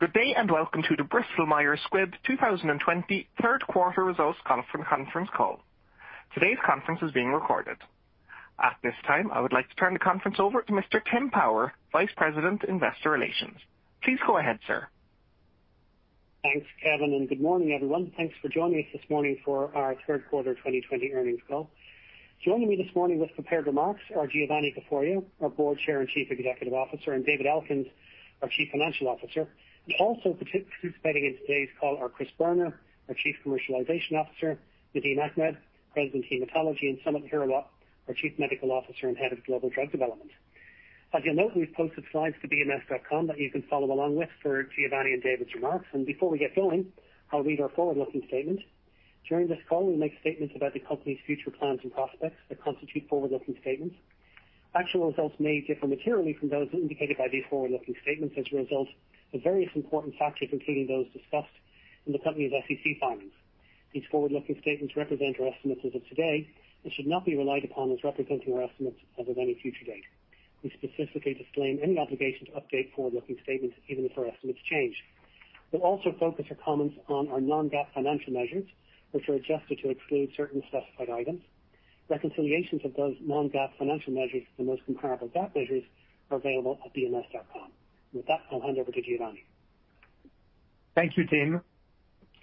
Good day. Welcome to the Bristol Myers Squibb 2020 third quarter results conference call. Today's conference is being recorded. At this time, I would like to turn the conference over to Mr. Tim Power, Vice President, Investor Relations. Please go ahead, sir. Thanks, Kevin, and good morning, everyone. Thanks for joining us this morning for our third quarter 2020 earnings call. Joining me this morning with prepared remarks are Giovanni Caforio, our Board Chair and Chief Executive Officer, and David Elkins, our Chief Financial Officer. Also participating in today's call are Chris Boerner, our Chief Commercialization Officer, Nadim Ahmed, President, Hematology, and Samit Hirawat, our Chief Medical Officer and Head of Global Drug Development. As you'll note, we've posted slides to bms.com that you can follow along with for Giovanni and David's remarks. Before we get going, I'll read our forward-looking statement. During this call, we make statements about the company's future plans and prospects that constitute forward-looking statements. Actual results may differ materially from those indicated by these forward-looking statements as a result of various important factors, including those discussed in the company's SEC filings. These forward-looking statements represent our estimates as of today and should not be relied upon as representing our estimates as of any future date. We specifically disclaim any obligation to update forward-looking statements, even if our estimates change. We'll also focus our comments on our non-GAAP financial measures, which are adjusted to exclude certain specified items. Reconciliations of those non-GAAP financial measures to the most comparable GAAP measures are available at bms.com. With that, I'll hand over to Giovanni. Thank you, Tim,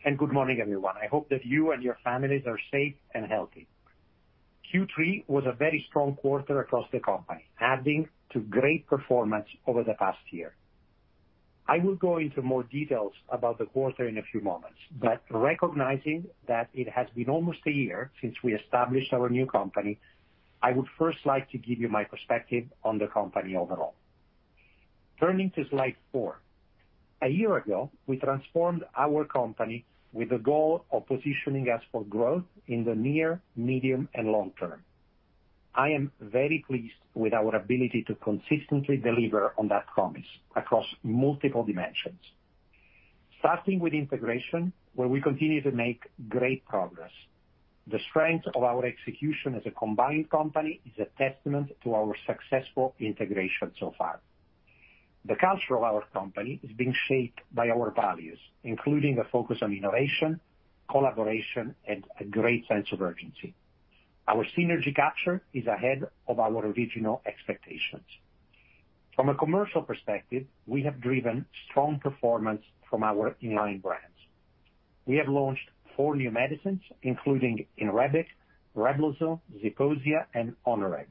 and good morning, everyone. I hope that you and your families are safe and healthy. Q3 was a very strong quarter across the company, adding to great performance over the past year. I will go into more details about the quarter in a few moments, but recognizing that it has been almost a year since we established our new company, I would first like to give you my perspective on the company overall. Turning to slide four. A year ago, we transformed our company with the goal of positioning us for growth in the near, medium, and long term. I am very pleased with our ability to consistently deliver on that promise across multiple dimensions. Starting with integration, where we continue to make great progress. The strength of our execution as a combined company is a testament to our successful integration so far. The culture of our company is being shaped by our values, including a focus on innovation, collaboration, and a great sense of urgency. Our synergy capture is ahead of our original expectations. From a commercial perspective, we have driven strong performance from our in-line brands. We have launched four new medicines, including INREBIC, REBLOZYL, ZEPOSIA, and ONUREG.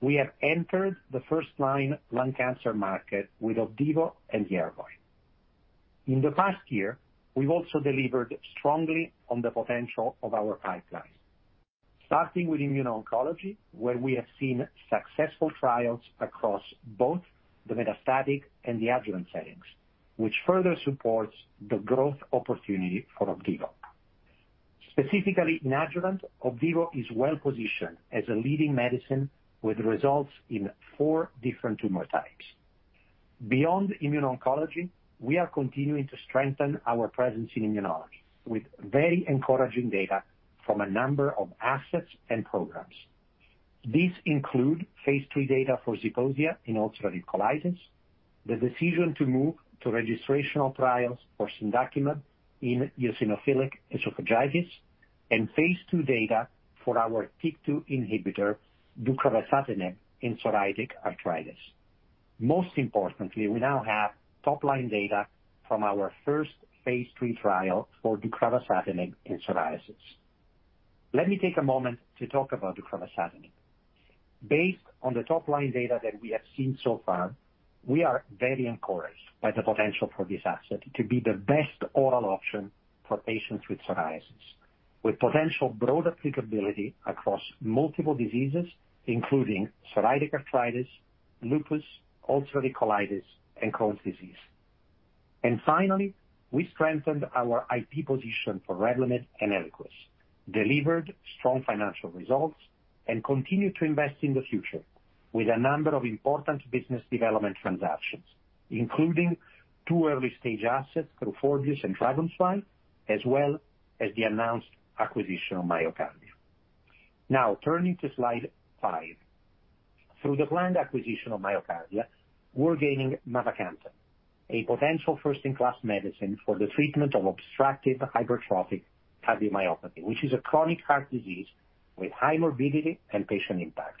We have entered the first-line lung cancer market with OPDIVO and YERVOY. In the past year, we've also delivered strongly on the potential of our pipeline. Starting with Immuno-Oncology, where we have seen successful trials across both the metastatic and the adjuvant settings, which further supports the growth opportunity for OPDIVO. Specifically in adjuvant, OPDIVO is well-positioned as a leading medicine with results in four different tumor types. Beyond immuno-oncology, we are continuing to strengthen our presence in immunology with very encouraging data from a number of assets and programs. These include phase III data for ZEPOSIA in ulcerative colitis, the decision to move to registrational trials for cendakimab in eosinophilic esophagitis, and phase II data for our TYK2 inhibitor, deucravacitinib, in psoriatic arthritis. Most importantly, we now have top-line data from our first phase III trial for deucravacitinib in psoriasis. Let me take a moment to talk about deucravacitinib. Based on the top-line data that we have seen so far, we are very encouraged by the potential for this asset to be the best oral option for patients with psoriasis, with potential broad applicability across multiple diseases, including psoriatic arthritis, lupus, ulcerative colitis, and Crohn's disease. Finally, we strengthened our IP position for REVLIMID and ELIQUIS, delivered strong financial results, and continue to invest in the future with a number of important business development transactions, including two early-stage assets, Forbius and Dragonfly, as well as the announced acquisition of MyoKardia. Now, turning to slide five. Through the planned acquisition of MyoKardia, we're gaining mavacamten, a potential first-in-class medicine for the treatment of obstructive hypertrophic cardiomyopathy, which is a chronic heart disease with high morbidity and patient impact.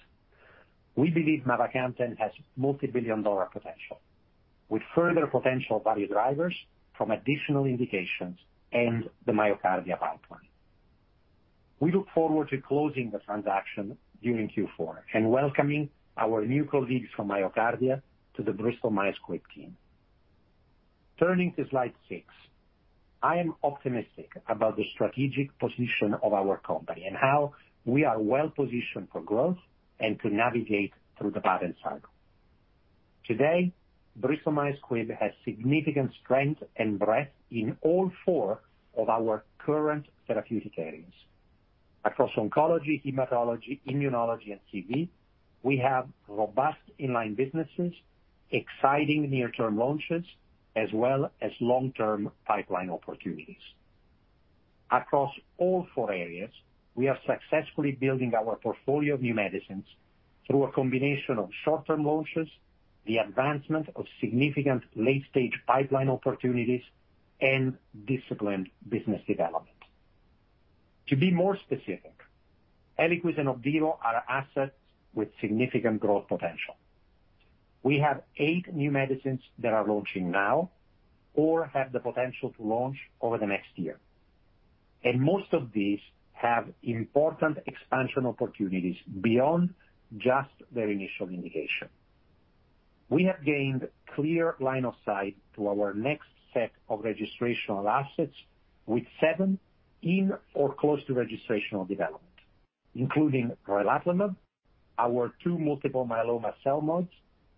We believe mavacamten has multi-billion-dollar potential, with further potential value drivers from additional indications and the MyoKardia pipeline. We look forward to closing the transaction during Q4 and welcoming our new colleagues from MyoKardia to the Bristol Myers Squibb team. Turning to slide six. I am optimistic about the strategic position of our company and how we are well-positioned for growth and to navigate through the patent cycle. Today, Bristol Myers Squibb has significant strength and breadth in all four of our current therapeutic areas. Across oncology, hematology, immunology, and CV, we have robust in-line businesses, exciting near-term launches, as well as long-term pipeline opportunities. Across all four areas, we are successfully building our portfolio of new medicines through a combination of short-term launches, the advancement of significant late-stage pipeline opportunities, and disciplined business development. To be more specific, ELIQUIS and OPDIVO are assets with significant growth potential. We have eight new medicines that are launching now or have the potential to launch over the next year. Most of these have important expansion opportunities beyond just their initial indication. We have gained clear line of sight to our next set of registrational assets with seven in or close to registrational development, including relatlimab, our two multiple myeloma CELMoDs,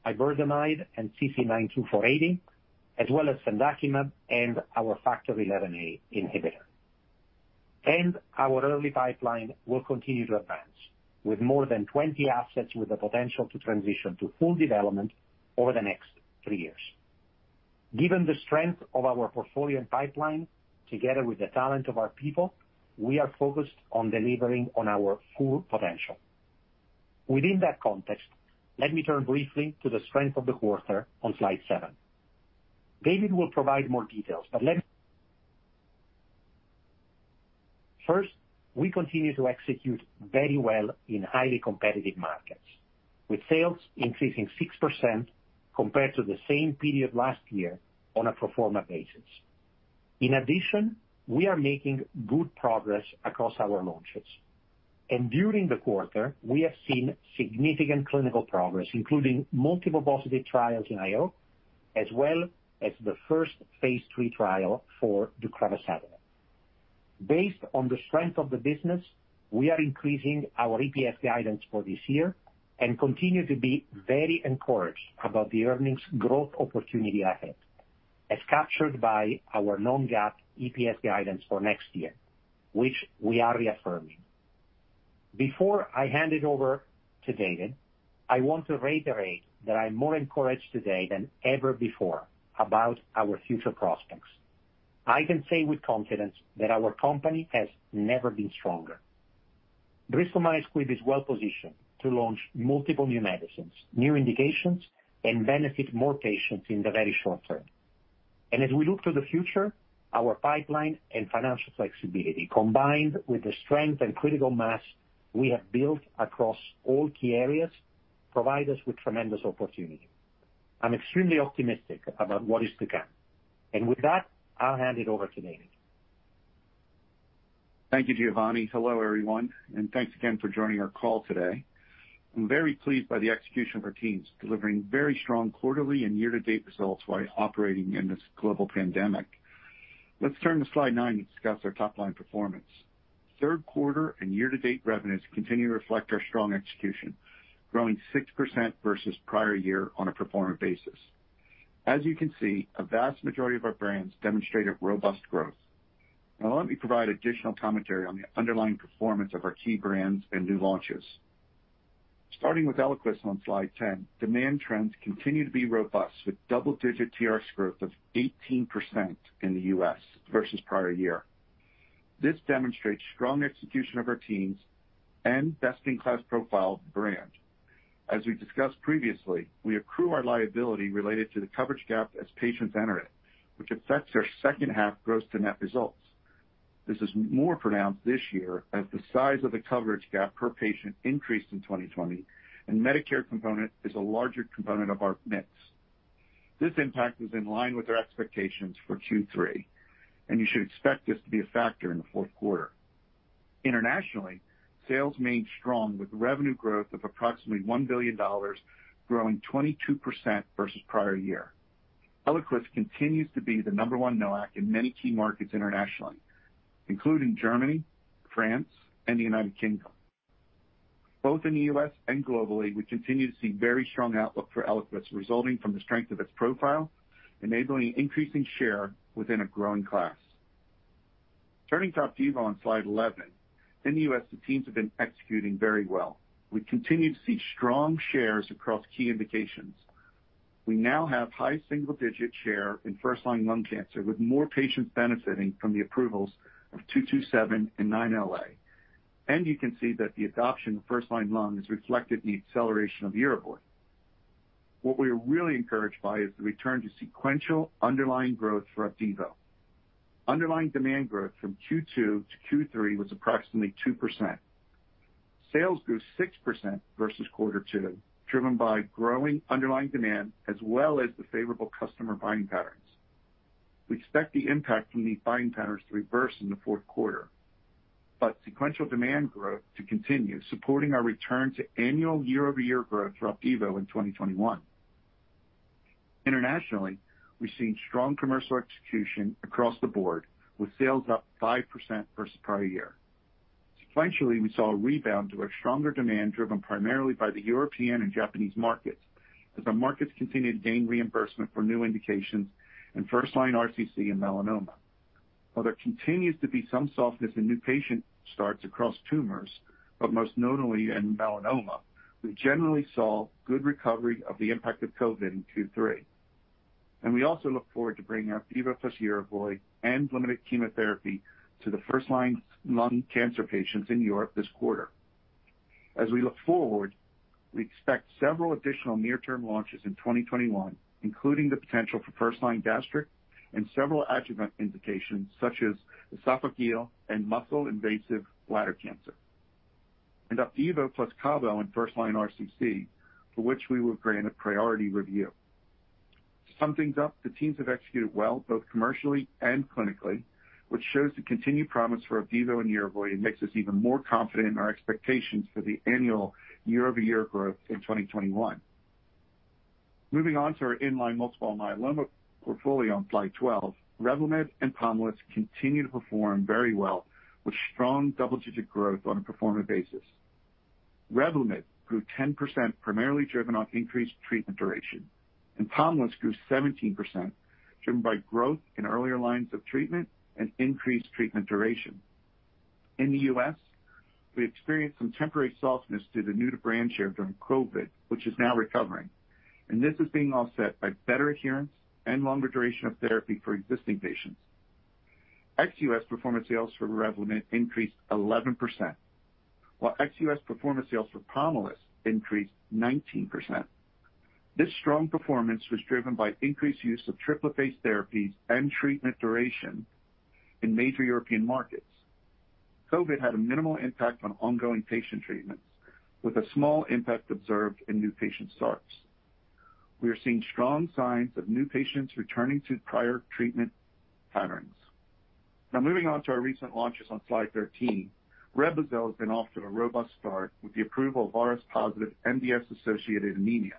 iberdomide and CC-92480, as well as cendakimab and our Factor XIa inhibitor. Our early pipeline will continue to advance with more than 20 assets with the potential to transition to full development over the next three years. Given the strength of our portfolio and pipeline, together with the talent of our people, we are focused on delivering on our full potential. Within that context, let me turn briefly to the strength of the quarter on slide seven. David will provide more details. We continue to execute very well in highly competitive markets, with sales increasing 6% compared to the same period last year on a pro forma basis. In addition, we are making good progress across our launches. During the quarter, we have seen significant clinical progress, including multiple positive trials in IO, as well as the first phase III trial for deucravacitinib. Based on the strength of the business, we are increasing our EPS guidance for this year and continue to be very encouraged about the earnings growth opportunity ahead, as captured by our non-GAAP EPS guidance for next year, which we are reaffirming. Before I hand it over to David, I want to reiterate that I'm more encouraged today than ever before about our future prospects. I can say with confidence that our company has never been stronger. Bristol Myers Squibb is well positioned to launch multiple new medicines, new indications, and benefit more patients in the very short term. As we look to the future, our pipeline and financial flexibility, combined with the strength and critical mass we have built across all key areas, provide us with tremendous opportunity. I'm extremely optimistic about what is to come. With that, I'll hand it over to David. Thank you, Giovanni. Hello, everyone, thanks again for joining our call today. I'm very pleased by the execution of our teams, delivering very strong quarterly and year-to-date results while operating in this global pandemic. Let's turn to slide nine and discuss our top line performance. Third quarter and year-to-date revenues continue to reflect our strong execution, growing 6% versus prior year on a pro forma basis. As you can see, a vast majority of our brands demonstrated robust growth. Let me provide additional commentary on the underlying performance of our key brands and new launches. Starting with ELIQUIS on slide 10, demand trends continue to be robust with double-digit TRx growth of 18% in the U.S. versus prior year. This demonstrates strong execution of our teams and best-in-class profile of the brand. As we discussed previously, we accrue our liability related to the coverage gap as patients enter it, which affects our second half gross to net results. This is more pronounced this year as the size of the coverage gap per patient increased in 2020, and Medicare component is a larger component of our mix. This impact was in line with our expectations for Q3. You should expect this to be a factor in the fourth quarter. Internationally, sales remained strong with revenue growth of approximately $1 billion, growing 22% versus prior year. ELIQUIS continues to be the number one NOAC in many key markets internationally, including Germany, France, and the United Kingdom. Both in the U.S. and globally, we continue to see very strong outlook for ELIQUIS resulting from the strength of its profile, enabling increasing share within a growing class. Turning to OPDIVO on slide 11. In the U.S., the teams have been executing very well. We continue to see strong shares across key indications. We now have high single-digit share in first-line lung cancer, with more patients benefiting from the approvals of CheckMate -227 and CheckMate -9LA. You can see that the adoption of first line lung is reflected in the acceleration of YERVOY. What we are really encouraged by is the return to sequential underlying growth for OPDIVO. Underlying demand growth from Q2 to Q3 was approximately 2%. Sales grew 6% versus quarter two, driven by growing underlying demand as well as the favorable customer buying patterns. We expect the impact from these buying patterns to reverse in the fourth quarter, but sequential demand growth to continue supporting our return to annual year-over-year growth for OPDIVO in 2021. Internationally, we've seen strong commercial execution across the board, with sales up 5% versus prior year. Sequentially, we saw a rebound due to stronger demand driven primarily by the European and Japanese markets, as our markets continue to gain reimbursement for new indications in first-line RCC and melanoma. While there continues to be some softness in new patient starts across tumors, but most notably in melanoma, we generally saw good recovery of the impact of COVID in Q3. We also look forward to bringing OPDIVO plus YERVOY and limited chemotherapy to the first-line lung cancer patients in Europe this quarter. As we look forward, we expect several additional near-term launches in 2021, including the potential for first-line gastric and several adjuvant indications such as esophageal and muscle-invasive bladder cancer. OPDIVO plus CABOMETYX in first-line RCC, for which we were granted priority review. To sum things up, the teams have executed well, both commercially and clinically, which shows the continued promise for OPDIVO and YERVOY, and makes us even more confident in our expectations for the annual year-over-year growth in 2021. Moving on to our in-line multiple myeloma portfolio on slide 12. REVLIMID and POMALYST continue to perform very well, with strong double-digit growth on a pro forma basis. REVLIMID grew 10%, primarily driven off increased treatment duration, and POMALYST grew 17%, driven by growth in earlier lines of treatment and increased treatment duration. In the U.S., we experienced some temporary softness due to new-to-brand share during COVID, which is now recovering, and this is being offset by better adherence and longer duration of therapy for existing patients. Ex-U.S. pro forma sales for REVLIMID increased 11%, while ex-U.S. pro forma sales for POMALYST increased 19%. This strong performance was driven by increased use of triplet therapies and treatment duration in major European markets. COVID had a minimal impact on ongoing patient treatments, with a small impact observed in new patient starts. We are seeing strong signs of new patients returning to prior treatment patterns. Moving on to our recent launches on slide 13. REBLOZYL has been off to a robust start with the approval of RS-positive MDS-associated anemia.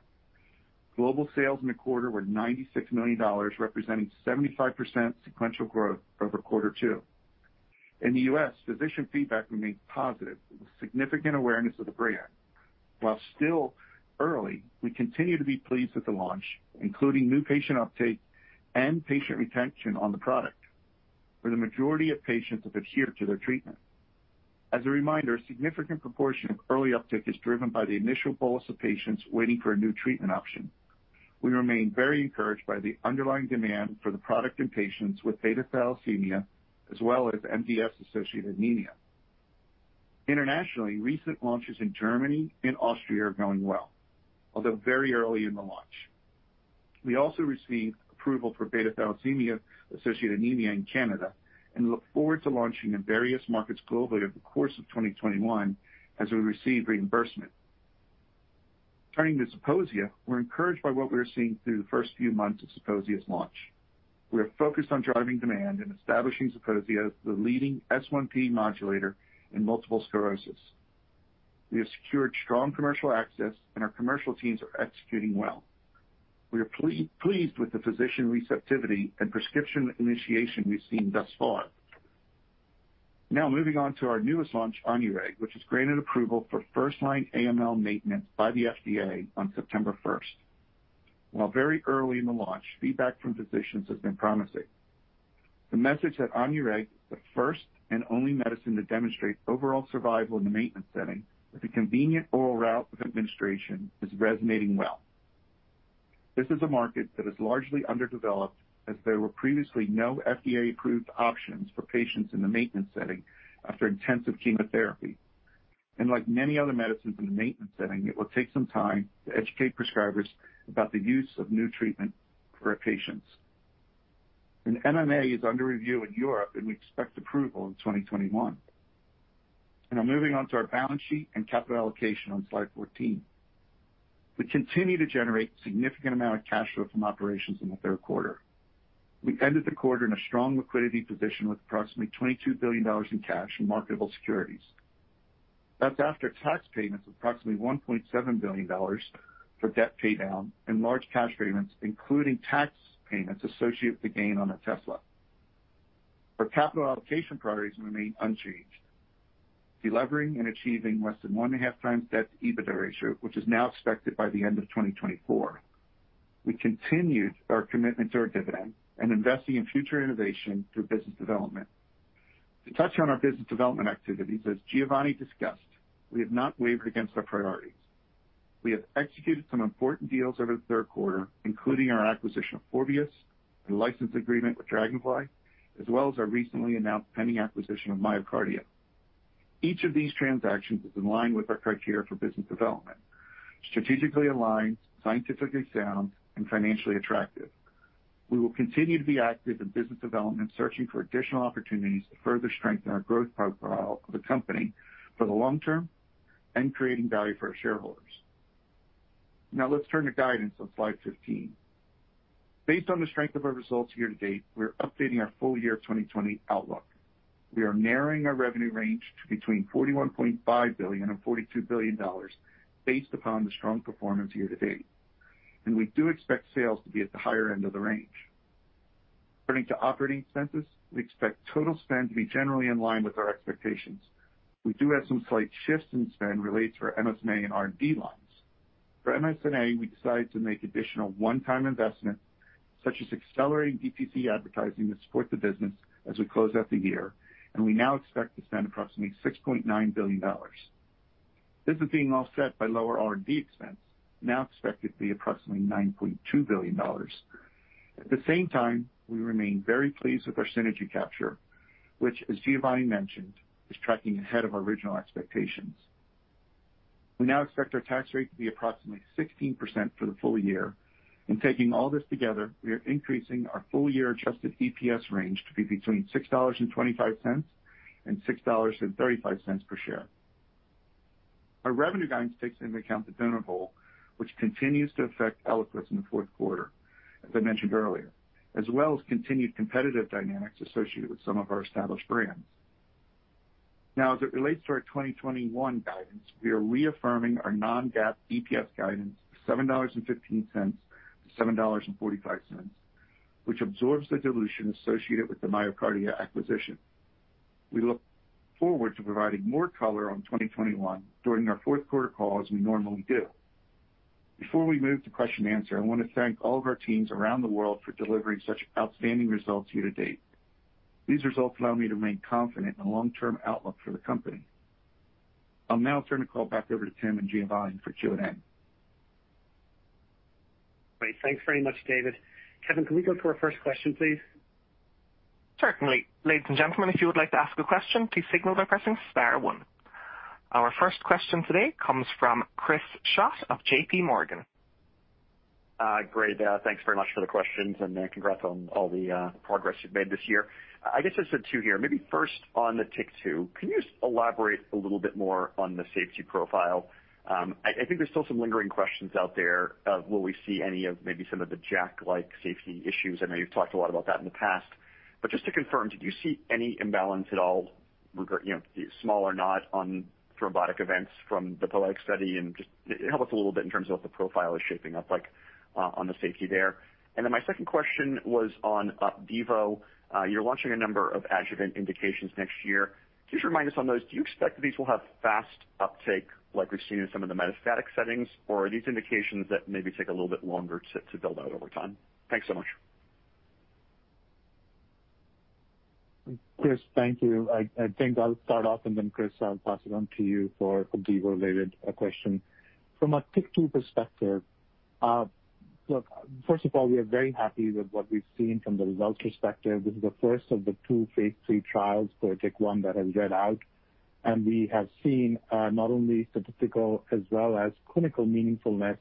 Global sales in the quarter were $96 million, representing 75% sequential growth over quarter two. In the U.S., physician feedback remains positive with significant awareness of the brand. While still early, we continue to be pleased with the launch, including new patient uptake and patient retention on the product, where the majority of patients have adhered to their treatment. As a reminder, a significant proportion of early uptick is driven by the initial bolus of patients waiting for a new treatment option. We remain very encouraged by the underlying demand for the product in patients with beta thalassemia, as well as MDS-associated anemia. Internationally, recent launches in Germany and Austria are going well, although very early in the launch. We also received approval for beta thalassemia-associated anemia in Canada and look forward to launching in various markets globally over the course of 2021 as we receive reimbursement. Turning to ZEPOSIA, we're encouraged by what we are seeing through the first few months of ZEPOSIA's launch. We are focused on driving demand and establishing ZEPOSIA as the leading S1P modulator in multiple sclerosis. We have secured strong commercial access. Our commercial teams are executing well. We are pleased with the physician receptivity and prescription initiation we've seen thus far. Moving on to our newest launch, ONUREG, which was granted approval for first-line AML maintenance by the FDA on September 1st. While very early in the launch, feedback from physicians has been promising. The message that ONUREG is the first and only medicine to demonstrate overall survival in the maintenance setting with the convenient oral route of administration is resonating well. This is a market that is largely underdeveloped, as there were previously no FDA-approved options for patients in the maintenance setting after intensive chemotherapy. Like many other medicines in the maintenance setting, it will take some time to educate prescribers about the use of new treatment for our patients. ONUREG is under review in Europe, and we expect approval in 2021. Moving on to our balance sheet and capital allocation on slide 14. We continue to generate significant amount of cash flow from operations in the third quarter. We ended the quarter in a strong liquidity position with approximately $22 billion in cash and marketable securities. That's after tax payments of approximately $1.7 billion for debt paydown and large cash payments, including tax payments associated with the gain on our OTEZLA. Our capital allocation priorities remain unchanged. Delevering and achieving less than 1.5x debt to EBITDA ratio, which is now expected by the end of 2024. We continued our commitment to our dividend and investing in future innovation through business development. To touch on our business development activities, as Giovanni discussed, we have not wavered against our priorities. We have executed some important deals over the third quarter, including our acquisition of Forbius, and license agreement with Dragonfly, as well as our recently announced pending acquisition of MyoKardia. Each of these transactions is in line with our criteria for business development, strategically aligned, scientifically sound, and financially attractive. We will continue to be active in business development, searching for additional opportunities to further strengthen our growth profile of the company for the long term and creating value for our shareholders. Now let's turn to guidance on slide 15. Based on the strength of our results year to date, we're updating our full year 2020 outlook. We are narrowing our revenue range to between $41.5 billion and $42 billion based upon the strong performance year to date, and we do expect sales to be at the higher end of the range. Turning to operating expenses, we expect total spend to be generally in line with our expectations. We do have some slight shifts in spend related to our MS&A and R&D lines. For MS&A, we decided to make additional one-time investments, such as accelerating DTC advertising to support the business as we close out the year, and we now expect to spend approximately $6.9 billion. This is being offset by lower R&D expense, now expected to be approximately $9.2 billion. At the same time, we remain very pleased with our synergy capture, which, as Giovanni mentioned, is tracking ahead of our original expectations. We now expect our tax rate to be approximately 16% for the full year. In taking all this together, we are increasing our full year adjusted EPS range to be between $6.25-$6.35 per share. Our revenue guidance takes into account the donut hole, which continues to affect ELIQUIS in the fourth quarter, as I mentioned earlier, as well as continued competitive dynamics associated with some of our established brands. As it relates to our 2021 guidance, we are reaffirming our non-GAAP EPS guidance of $7.15-$7.45, which absorbs the dilution associated with the MyoKardia acquisition. We look forward to providing more color on 2021 during our fourth quarter call, as we normally do. Before we move to question and answer, I want to thank all of our teams around the world for delivering such outstanding results year to date. These results allow me to remain confident in the long-term outlook for the company. I'll now turn the call back over to Tim and Giovanni for Q&A. Great. Thanks very much, David. Kevin, can we go to our first question, please? Certainly. Ladies and gentlemen, if you would like, please signal by pressing star one. Our first question today comes from Chris Schott of JPMorgan. Great. Thanks very much for the questions, and congrats on all the progress you've made this year. I guess there's two here. Maybe first on the TYK2, can you elaborate a little bit more on the safety profile? I think there's still some lingering questions out there of will we see any of maybe some of the JAK-like safety issues. I know you've talked a lot about that in the past. Just to confirm, did you see any imbalance at all, small or not, on thrombotic events from the POETYK study? Just help us a little bit in terms of what the profile is shaping up like on the safety there. Then my second question was on OPDIVO. You're launching a number of adjuvant indications next year. Could you remind us on those, do you expect that these will have fast uptake like we've seen in some of the metastatic settings, or are these indications that maybe take a little bit longer to build out over time? Thanks so much. Chris, thank you. I think I'll start off, and then Chris, I'll pass it on to you for the OPDIVO-related question. From a TYK2 perspective, look, first of all, we are very happy with what we've seen from the results perspective. This is the first of the two phase III trials for TYK2, one that has read out, and we have seen not only statistical as well as clinical meaningfulness,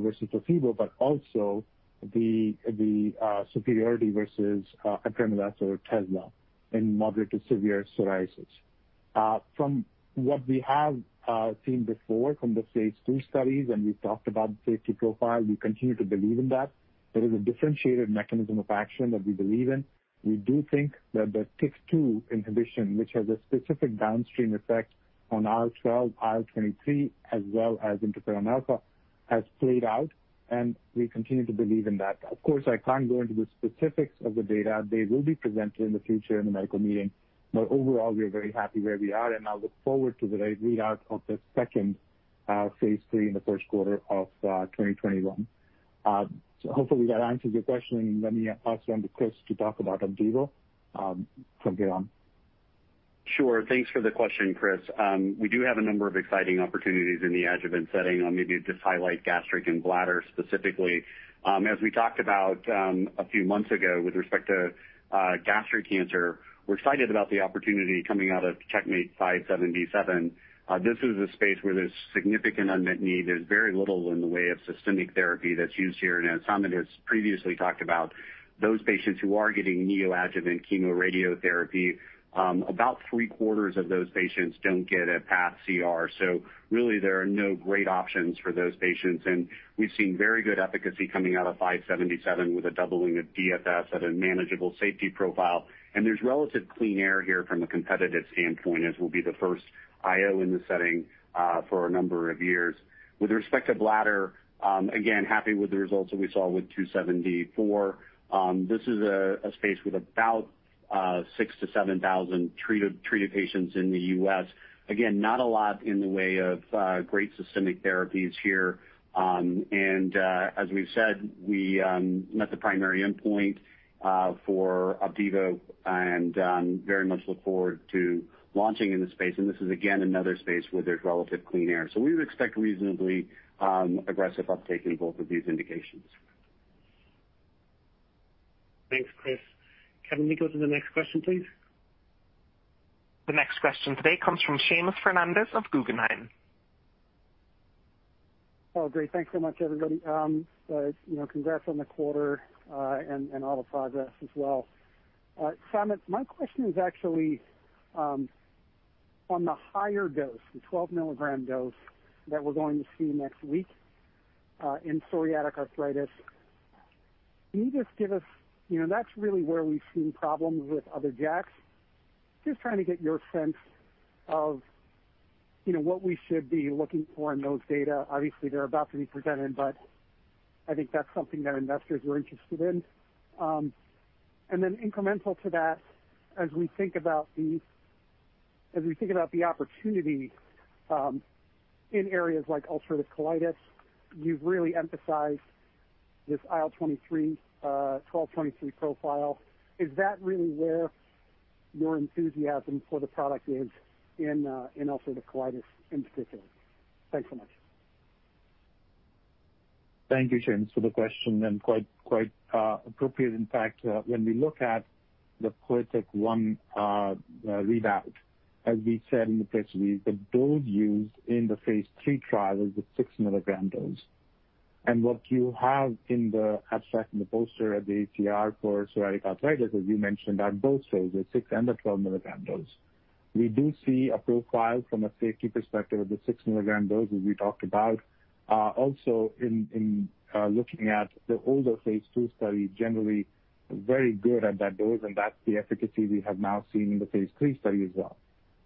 versus placebo, but also the superiority versus apremilast or OTEZLA in moderate to severe psoriasis. From what we have seen before from the phase II studies, and we've talked about the safety profile, we continue to believe in that. There is a differentiated mechanism of action that we believe in. We do think that the TYK2 inhibition, which has a specific downstream effect on IL-12/IL-23, as well as interferon alpha, has played out, and we continue to believe in that. Of course, I can't go into the specifics of the data. They will be presented in the future in a medical meeting. Overall, we are very happy where we are, and I look forward to the readout of the second phase III in the first quarter of 2021. Hopefully, that answers your question, and let me pass it on to Chris to talk about OPDIVO from here on. Sure. Thanks for the question, Chris. We do have a number of exciting opportunities in the adjuvant setting. I'll maybe just highlight gastric and bladder specifically. As we talked about a few months ago with respect to gastric cancer, we're excited about the opportunity coming out of CheckMate -577. This is a space where there's significant unmet need. There's very little in the way of systemic therapy that's used here, and as Samit has previously talked about, those patients who are getting neoadjuvant chemo radiotherapy, about 75% of those patients don't get a pathological CR. Really, there are no great options for those patients. We've seen very good efficacy coming out of CheckMate -577 with a doubling of DFS at a manageable safety profile. There's relative clean air here from a competitive standpoint, as we'll be the first IO in this setting for a number of years. With respect to bladder, again, happy with the results that we saw with CheckMate -274. This is a space with about 6,000-7,000 treated patients in the U.S. Again, not a lot in the way of great systemic therapies here. As we've said, we met the primary endpoint for OPDIVO and very much look forward to launching in this space. This is, again, another space where there's relative clean air. We would expect reasonably aggressive uptake in both of these indications. Thanks, Chris. Kevin, can we go to the next question, please? The next question today comes from Seamus Fernandez of Guggenheim. Oh, great. Thanks so much, everybody. Congrats on the quarter and all the progress as well. Samit, my question is actually on the higher dose, the 12 mg dose that we're going to see next week in psoriatic arthritis. That's really where we've seen problems with other JAKs. Just trying to get your sense of what we should be looking for in those data. Obviously, they're about to be presented, but I think that's something that investors are interested in. Incremental to that, as we think about the opportunity in areas like ulcerative colitis, you've really emphasized this IL-23/IL-12 profile. Is that really where your enthusiasm for the product is in ulcerative colitis in particular? Thanks so much. Thank you, Seamus, for the question, and quite appropriate. In fact, when we look at the POETYK PSO-1 readout, as we said in the press release, the dose used in the phase III trial is the 6 mg dose. What you have in the abstract in the poster at the ACR for psoriatic arthritis, as you mentioned, are both doses, 6 mg and the 12 mg dose. We do see a profile from a safety perspective of the 6 mg dose, as we talked about. Also, in looking at the older phase II study, generally very good at that dose, and that's the efficacy we have now seen in the phase III study as well.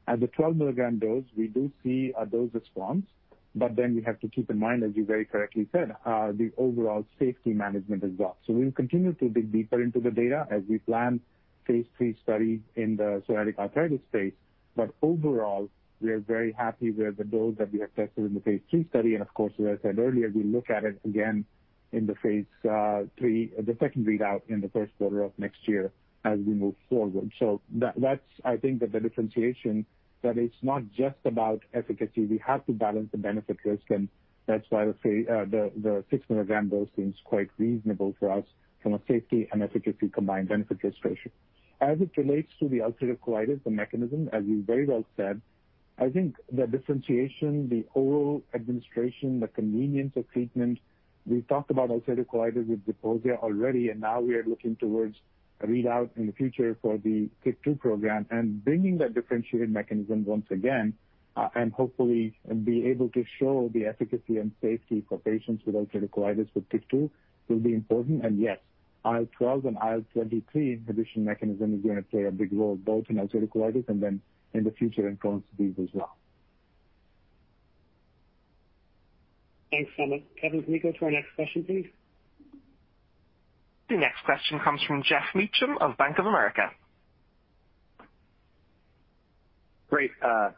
At the 12 mg dose, we do see a dose response, but then we have to keep in mind, as you very correctly said, the overall safety management as well. We'll continue to dig deeper into the data as we plan phase III study in the psoriatic arthritis space. Overall, we are very happy with the dose that we have tested in the phase II study. Of course, as I said earlier, we look at it again in the phase III, the second readout in the first quarter of next year, as we move forward. That's, I think, the differentiation, that it's not just about efficacy. We have to balance the benefit risk, and that's why the 6 mg dose seems quite reasonable for us from a safety and efficacy combined benefit risk ratio. As it relates to the ulcerative colitis, the mechanism, as you very well said, I think the differentiation, the oral administration, the convenience of treatment. We've talked about ulcerative colitis with ZEPOSIA already, and now we are looking towards a readout in the future for the TYK2 program and bringing that differentiated mechanism once again, and hopefully be able to show the efficacy and safety for patients with ulcerative colitis with TYK2 will be important. Yes, IL-12 and IL-23 inhibition mechanism is going to play a big role both in ulcerative colitis and then in the future in Crohn's disease as well. Thanks so much. Kevin, can we go to our next question, please? The next question comes from Geoff Meacham of Bank of America.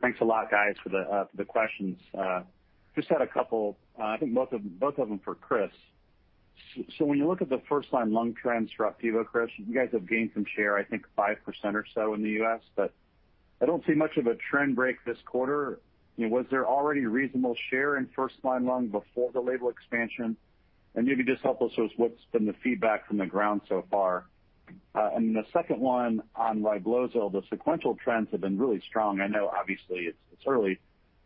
Thanks a lot, guys, for the questions. Just had a couple. I think both of them for Chris. When you look at the first-line lung trends for OPDIVO, Chris, you guys have gained some share, I think 5% or so in the U.S., but I don't see much of a trend break this quarter. Was there already reasonable share in first-line lung before the label expansion? Maybe just help us with what's been the feedback from the ground so far. The second one on REBLOZYL, the sequential trends have been really strong. I know, obviously it's early,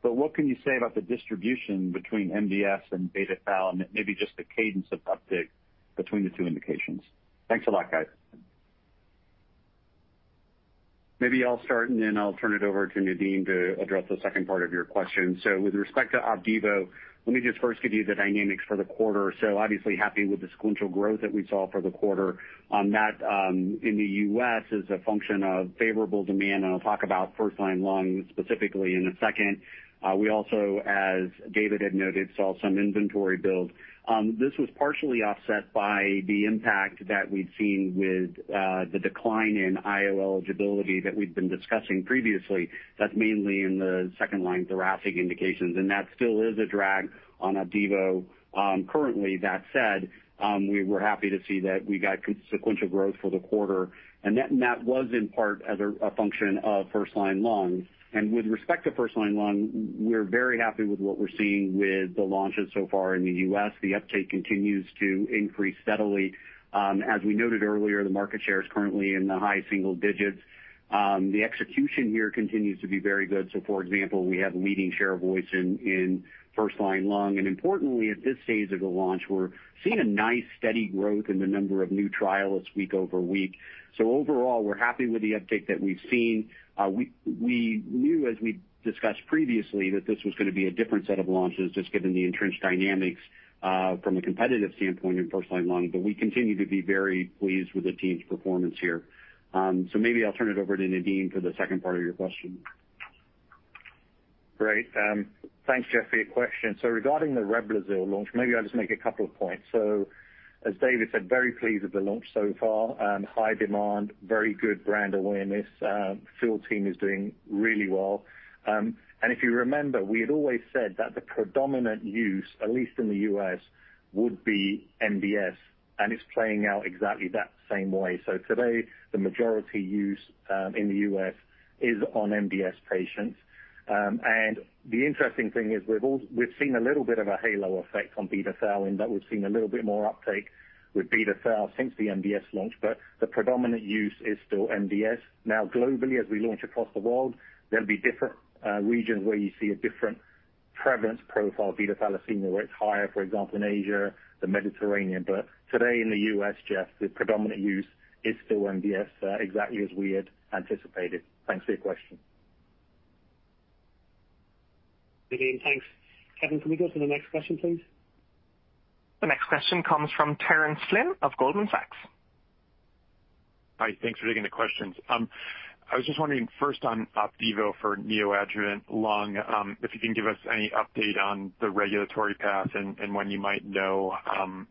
but what can you say about the distribution between MDS and beta thalassemia and maybe just the cadence of uptick between the two indications? Thanks a lot, guys. Maybe I'll start, and then I'll turn it over to Nadim to address the second part of your question. With respect to OPDIVO, let me just first give you the dynamics for the quarter. Obviously, happy with the sequential growth that we saw for the quarter on that in the U.S. as a function of favorable demand, and I'll talk about first-line lung specifically in a second. We also, as David had noted, saw some inventory build. This was partially offset by the impact that we've seen with the decline in IO eligibility that we've been discussing previously. That's mainly in the second-line thoracic indications, and that still is a drag on OPDIVO currently. That said, we were happy to see that we got sequential growth for the quarter, and that was in part as a function of first-line lungs. With respect to first-line lung, we're very happy with what we're seeing with the launches so far in the U.S. The uptake continues to increase steadily. As we noted earlier, the market share is currently in the high single digits. The execution here continues to be very good. For example, we have a leading share of voice in first-line lung. Importantly, at this stage of the launch, we're seeing a nice steady growth in the number of new trialists week over week. Overall, we're happy with the uptake that we've seen. We knew, as we discussed previously, that this was going to be a different set of launches, just given the entrenched dynamics from a competitive standpoint in first-line lung. We continue to be very pleased with the team's performance here. Maybe I'll turn it over to Nadim for the second part of your question. Great. Thanks, Geoff, for your question. Regarding the REBLOZYL launch, maybe I'll just make a couple of points. As David said, very pleased with the launch so far. High demand, very good brand awareness. Field team is doing really well. If you remember, we had always said that the predominant use, at least in the U.S., would be MDS, and it's playing out exactly that same way. Today, the majority use in the U.S. is on MDS patients. The interesting thing is, we've seen a little bit of a halo effect on beta thalassemia in that we've seen a little bit more uptake with beta thalassemia since the MDS launch, but the predominant use is still MDS. Now globally, as we launch across the world, there'll be different regions where you see a different prevalence profile of beta thalassemia, where it's higher, for example, in Asia, the Mediterranean. Today in the U.S., Geoff, the predominant use is still MDS, exactly as we had anticipated. Thanks for your question. Nadim, thanks. Kevin, can we go to the next question, please? The next question comes from Terence Flynn of Goldman Sachs. Hi. Thanks for taking the questions. I was just wondering first on OPDIVO for neoadjuvant lung, if you can give us any update on the regulatory path and when you might know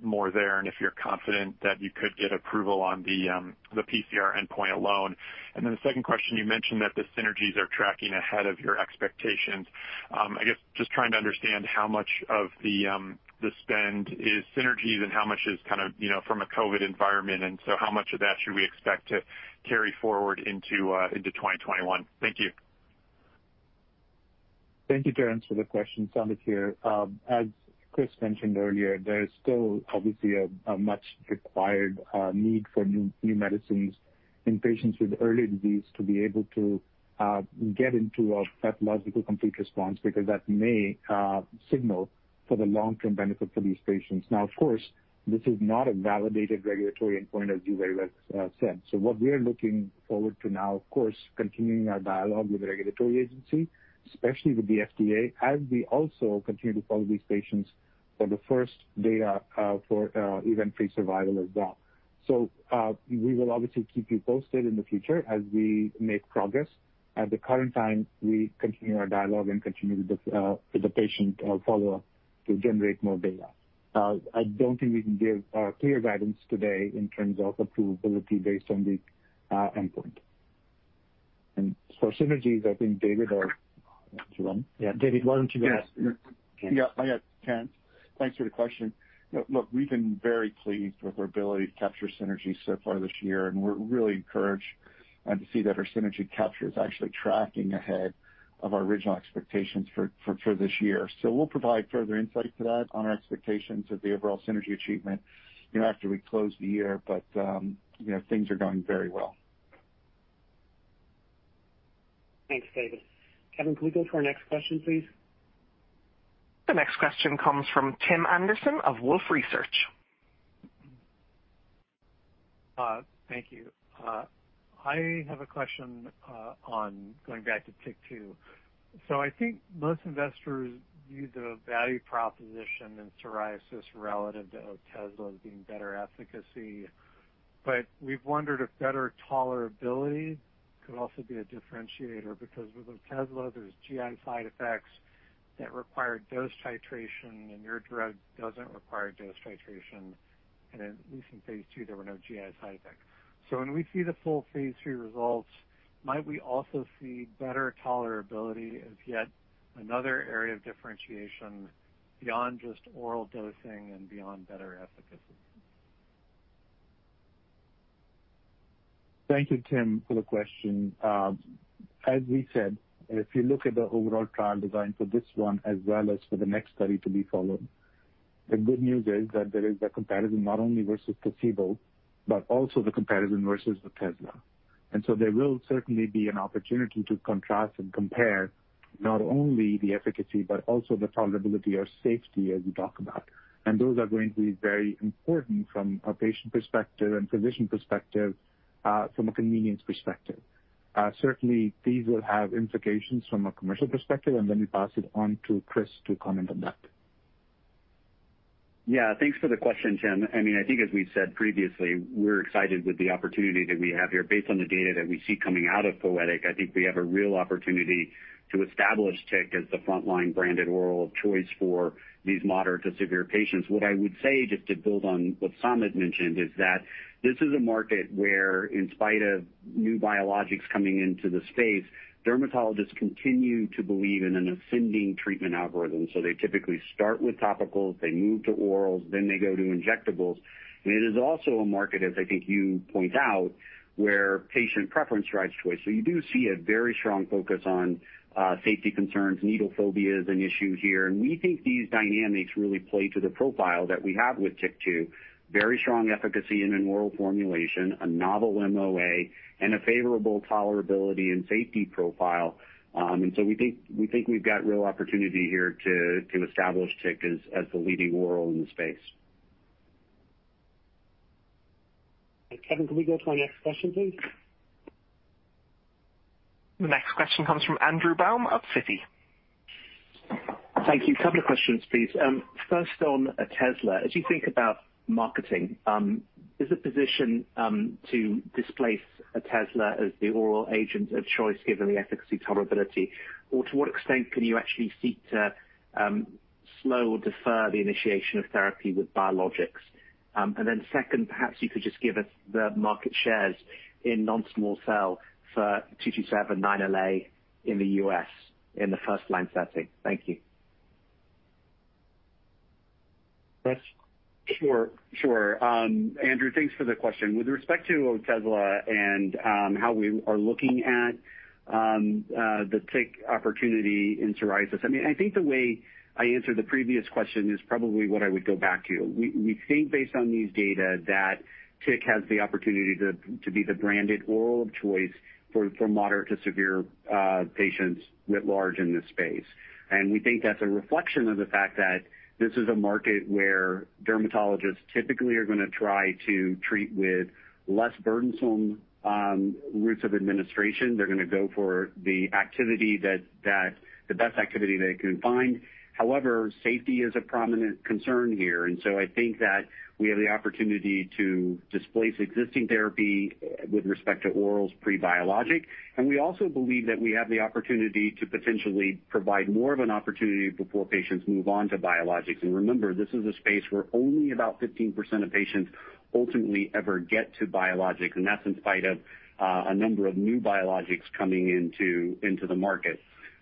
more there, and if you're confident that you could get approval on the pCR endpoint alone. The second question, you mentioned that the synergies are tracking ahead of your expectations. I guess just trying to understand how much of the spend is synergies and how much is from a COVID environment, how much of that should we expect to carry forward into 2021? Thank you. Thank you, Terence, for the question. Samit here. As Chris mentioned earlier, there is still obviously a much required need for new medicines in patients with early disease to be able to get into a pathological complete response because that may signal for the long-term benefit for these patients. Of course, this is not a validated regulatory endpoint, as you very well said. What we're looking forward to now, of course, continuing our dialogue with the regulatory agency, especially with the FDA, as we also continue to follow these patients for the first data for event-free survival as well. We will obviously keep you posted in the future as we make progress. At the current time, we continue our dialogue and continue with the patient follow-up to generate more data. I don't think we can give clear guidance today in terms of approvability based on the endpoint. For synergies, I think David or Giovanni? Yeah, David, why don't you go? Yes. Hi, Terence. Thanks for the question. We've been very pleased with our ability to capture synergies so far this year, and we're really encouraged to see that our synergy capture is actually tracking ahead of our original expectations for this year. We'll provide further insight to that on our expectations of the overall synergy achievement after we close the year. Things are going very well. Thanks, David. Kevin, can we go to our next question, please? The next question comes from Tim Anderson of Wolfe Research. Thank you. I have a question on going back to TYK2. I think most investors view the value proposition in psoriasis relative to OTEZLA as being better efficacy. We've wondered if better tolerability could also be a differentiator, because with OTEZLA, there's GI side effects that require dose titration, and your drug doesn't require dose titration. At least in phase II, there were no GI side effects. When we see the full phase III results, might we also see better tolerability as yet another area of differentiation beyond just oral dosing and beyond better efficacy? Thank you, Tim, for the question. As we said, if you look at the overall trial design for this one as well as for the next study to be followed, the good news is that there is a comparison not only versus placebo, but also the comparison versus OTEZLA. There will certainly be an opportunity to contrast and compare not only the efficacy, but also the tolerability or safety as you talk about. Those are going to be very important from a patient perspective and physician perspective, from a convenience perspective. Certainly, these will have implications from a commercial perspective, and let me pass it on to Chris to comment on that. Yeah, thanks for the question, Tim. I think, as we've said previously, we're excited with the opportunity that we have here based on the data that we see coming out of POETYK. I think we have a real opportunity to establish TYK2 as the frontline branded oral of choice for these moderate to severe patients. What I would say, just to build on what Samit mentioned, is that this is a market where, in spite of new biologics coming into the space, dermatologists continue to believe in an ascending treatment algorithm. They typically start with topicals, they move to orals, then they go to injectables. It is also a market, as I think you point out, where patient preference drives choice. You do see a very strong focus on safety concerns. Needle phobia is an issue here. We think these dynamics really play to the profile that we have with TYK2. Very strong efficacy in an oral formulation, a novel MOA, and a favorable tolerability and safety profile. We think we've got real opportunity here to establish TYK2 as the leading oral in the space. Kevin, can we go to our next question, please? The next question comes from Andrew Baum of Citi. Thank you. Couple of questions, please. First on OTEZLA. As you think about marketing, is the position to displace OTEZLA as the oral agent of choice, given the efficacy tolerability, or to what extent can you actually seek to slow or defer the initiation of therapy with biologics? Second, perhaps you could just give us the market shares in non-small cell for CheckMate -227, CheckMate -9LA in the U.S. in the first-line setting. Thank you. Chris? Sure. Andrew, thanks for the question. With respect to OTEZLA and how we are looking at the TYK2 opportunity in psoriasis, I think the way I answered the previous question is probably what I would go back to. We think based on these data that TYK2 has the opportunity to be the branded oral of choice for moderate to severe patients writ large in this space. We think that's a reflection of the fact that this is a market where dermatologists typically are going to try to treat with less burdensome routes of administration. They're going to go for the best activity they can find. However, safety is a prominent concern here, and so I think that we have the opportunity to displace existing therapy with respect to oral pre-biologic. We also believe that we have the opportunity to potentially provide more of an opportunity before patients move on to biologics. Remember, this is a space where only about 15% of patients ultimately ever get to biologics, and that's in spite of a number of new biologics coming into the market.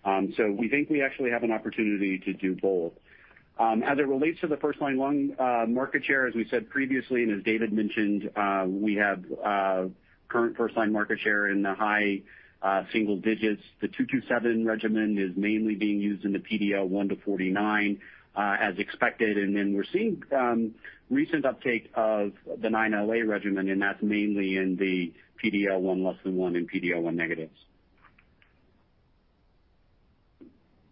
We think we actually have an opportunity to do both. As it relates to the first-line lung market share, as we said previously and as David mentioned, we have current first-line market share in the high single digits. The CheckMate -227 regimen is mainly being used in the PD-L1 to 49%, as expected. We're seeing recent uptake of the CheckMate -9LA regimen, and that's mainly in the PD-L1 less than 1% and PD-L1 negatives.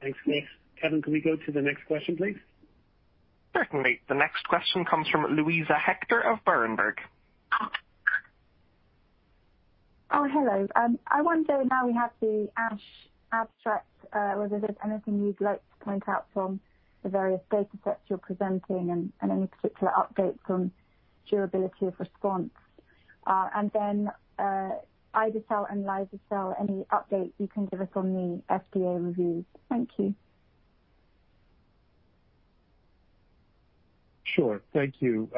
Thanks, Chris. Kevin, can we go to the next question, please? Certainly. The next question comes from Luisa Hector of Berenberg. Oh, hello. I wonder now we have the ASH abstract, whether there's anything you'd like to point out from the various data sets you're presenting, and any particular update from durability of response. Ide-cel and liso-cel, any updates you can give us on the FDA reviews? Thank you. Sure. Thank you.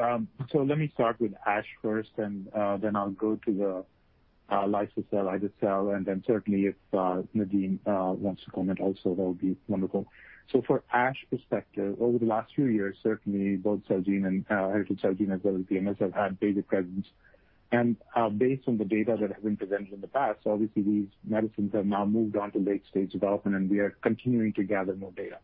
Let me start with ASH first, and then I'll go to the liso-cel, ide-cel, and then certainly if Nadim wants to comment also, that would be wonderful. For ASH perspective, over the last few years, certainly both Celgene and heritage Celgene, as well as BMS, have had data presence. Based on the data that has been presented in the past, obviously, these medicines have now moved on to late-stage development, and we are continuing to gather more data.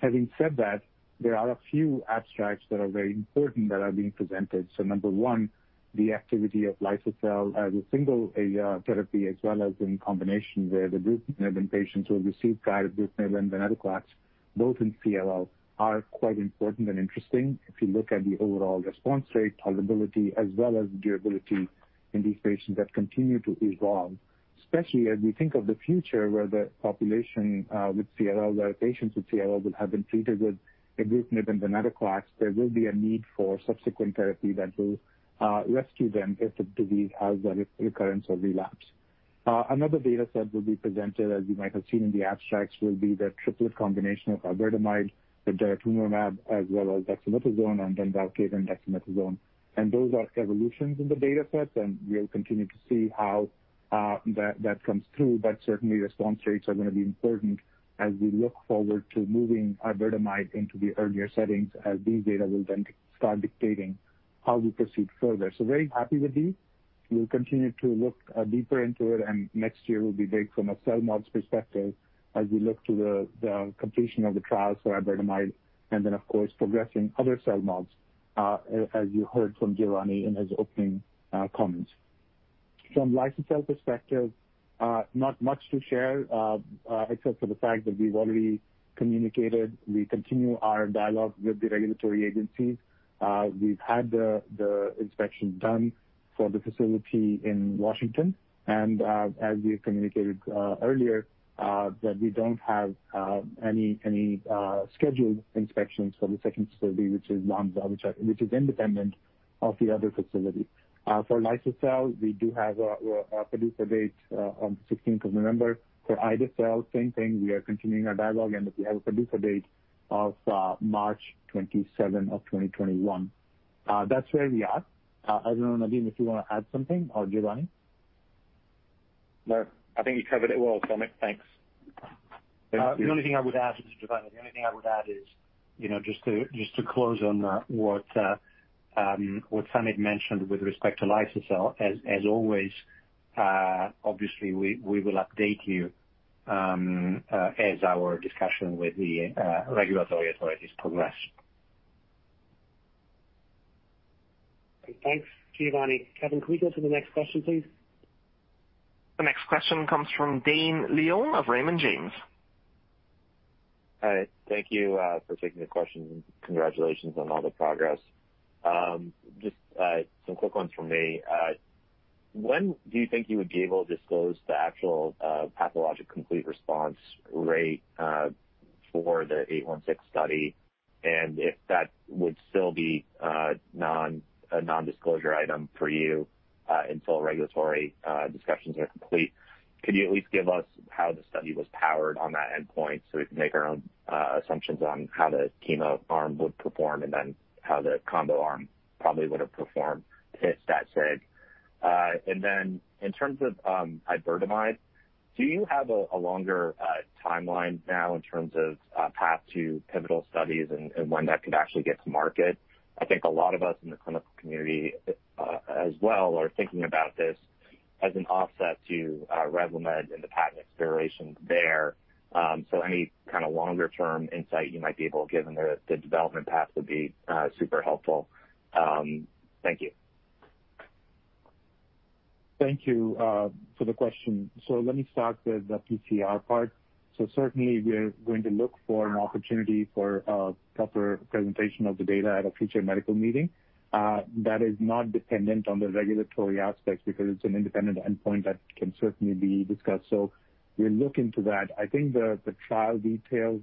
Having said that, there are a few abstracts that are very important that are being presented. Number one, the activity of liso-cel as a single agent therapy as well as in combination with ibrutinib in patients who have received prior ibrutinib and venetoclax, both in CLL, are quite important and interesting. If you look at the overall response rate, tolerability, as well as durability in these patients that continue to evolve, especially as we think of the future where the population with CLL, where patients with CLL will have been treated with ibrutinib and venetoclax, there will be a need for subsequent therapy that will rescue them if the disease has a recurrence or relapse. Another data set will be presented, as you might have seen in the abstracts, will be the triplet combination of iberdomide with daratumumab as well as dexamethasone and then VELCADE and dexamethasone. Those are evolutions in the data sets, and we'll continue to see how that comes through. Certainly, response rates are going to be important as we look forward to moving iberdomide into the earlier settings as these data will then start dictating how we proceed further. Very happy with these. We'll continue to look deeper into it. Next year will be big from a CELMoDs perspective as we look to the completion of the trials for iberdomide, of course, progressing other CELMoDs, as you heard from Giovanni in his opening comments. From liso-cel perspective, not much to share except for the fact that we've already communicated. We continue our dialogue with the regulatory agencies. We've had the inspection done for the facility in Washington, and as we have communicated earlier, that we don't have any scheduled inspections for the second facility, which is Seattle site, which is independent of the other facility. For liso-cel, we do have a PDUFA date on the 16th of November. For ide-cel, same thing, we are continuing our dialogue. We have a PDUFA date of March 27 of 2021. That's where we are. I don't know, Nadim, if you want to add something, or Giovanni? No, I think you covered it well, Samit. Thanks. Thank you. Giovanni, the only thing I would add is just to close on what Samit mentioned with respect to liso-cel. As always, obviously, we will update you as our discussion with the regulatory authorities progress. Thanks, Giovanni. Kevin, can we go to the next question, please? The next question comes from Dane Leone of Raymond James. Hi. Thank you for taking the question, and congratulations on all the progress. Just some quick ones from me. When do you think you would be able to disclose the actual pathological complete response rate for the CheckMate -816 study? If that would still be a non-disclosure item for you until regulatory discussions are complete, could you at least give us how the study was powered on that endpoint so we can make our own assumptions on how the chemo arm would perform, and then how the combo arm probably would have performed if that said? In terms of iberdomide, do you have a longer timeline now in terms of path to pivotal studies and when that could actually get to market? I think a lot of us in the clinical community, as well are thinking about this as an offset to REVLIMID and the patent expirations there? Any kind of longer-term insight you might be able to give on the development path would be super helpful. Thank you. Thank you for the question. Let me start with the pCR part. Certainly, we are going to look for an opportunity for a proper presentation of the data at a future medical meeting. That is not dependent on the regulatory aspects because it's an independent endpoint that can certainly be discussed. We'll look into that. I think the trial details,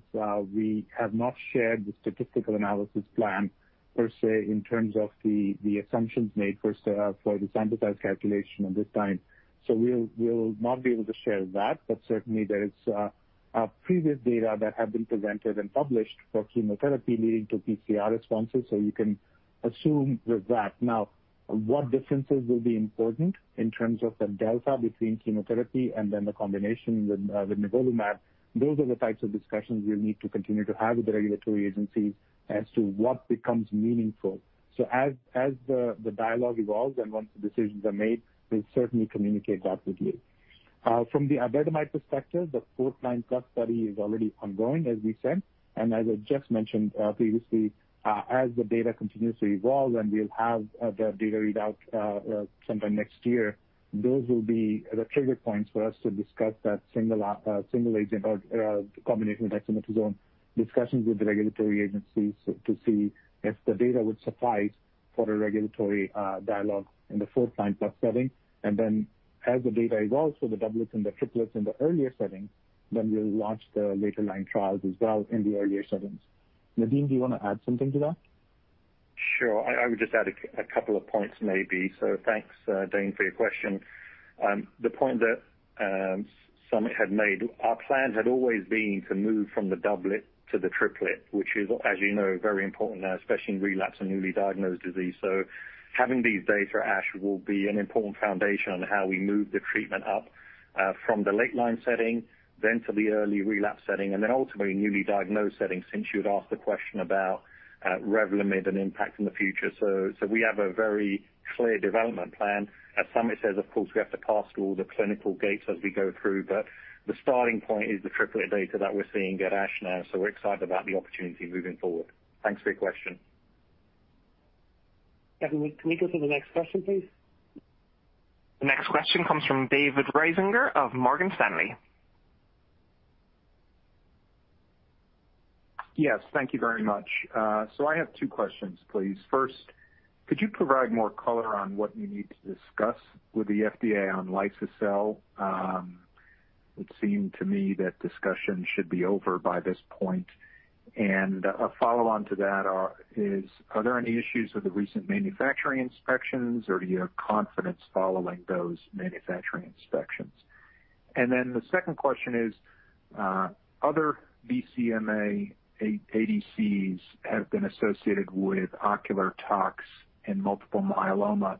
we have not shared the statistical analysis plan, per se, in terms of the assumptions made for the sample size calculation at this time. We'll not be able to share that. Certainly, there is previous data that have been presented and published for chemotherapy leading to pCR responses, so you can assume with that. What differences will be important in terms of the delta between chemotherapy and then the combination with nivolumab, those are the types of discussions we'll need to continue to have with the regulatory agencies as to what becomes meaningful. As the dialogue evolves and once the decisions are made, we'll certainly communicate that with you. From the Aβ-mAbs perspective, the fourth-line study is already ongoing, as we said. As I just mentioned previously, as the data continues to evolve and we'll have the data readout sometime next year, those will be the trigger points for us to discuss that single agent or combination with dexamethasone discussions with the regulatory agencies to see if the data would suffice for a regulatory dialogue in the fourth-line plus setting. As the data evolves for the doublets and the triplets in the earlier settings, then we'll launch the later line trials as well in the earlier settings. Nadim, do you want to add something to that? Sure. I would just add a couple of points, maybe. Thanks, Dane, for your question. The point that Samit had made, our plan had always been to move from the doublet to the triplet, which is, as you know, very important now, especially in relapse and newly diagnosed disease. Having these data at ASH will be an important foundation on how we move the treatment up from the late line setting then to the early relapse setting and then ultimately newly diagnosed setting, since you had asked the question about REVLIMID and impact in the future. We have a very clear development plan. As Samit says, of course, we have to pass through all the clinical gates as we go through, but the starting point is the triplet data that we're seeing at ASH now. We're excited about the opportunity moving forward. Thanks for your question. Kevin, can we go to the next question, please? The next question comes from David Risinger of Morgan Stanley. Yes. Thank you very much. I have two questions, please. First, could you provide more color on what you need to discuss with the FDA on liso-cel? It seemed to me that discussion should be over by this point. A follow-on to that is, are there any issues with the recent manufacturing inspections, or do you have confidence following those manufacturing inspections? The second question is, other BCMA ADCs have been associated with ocular tox in multiple myeloma.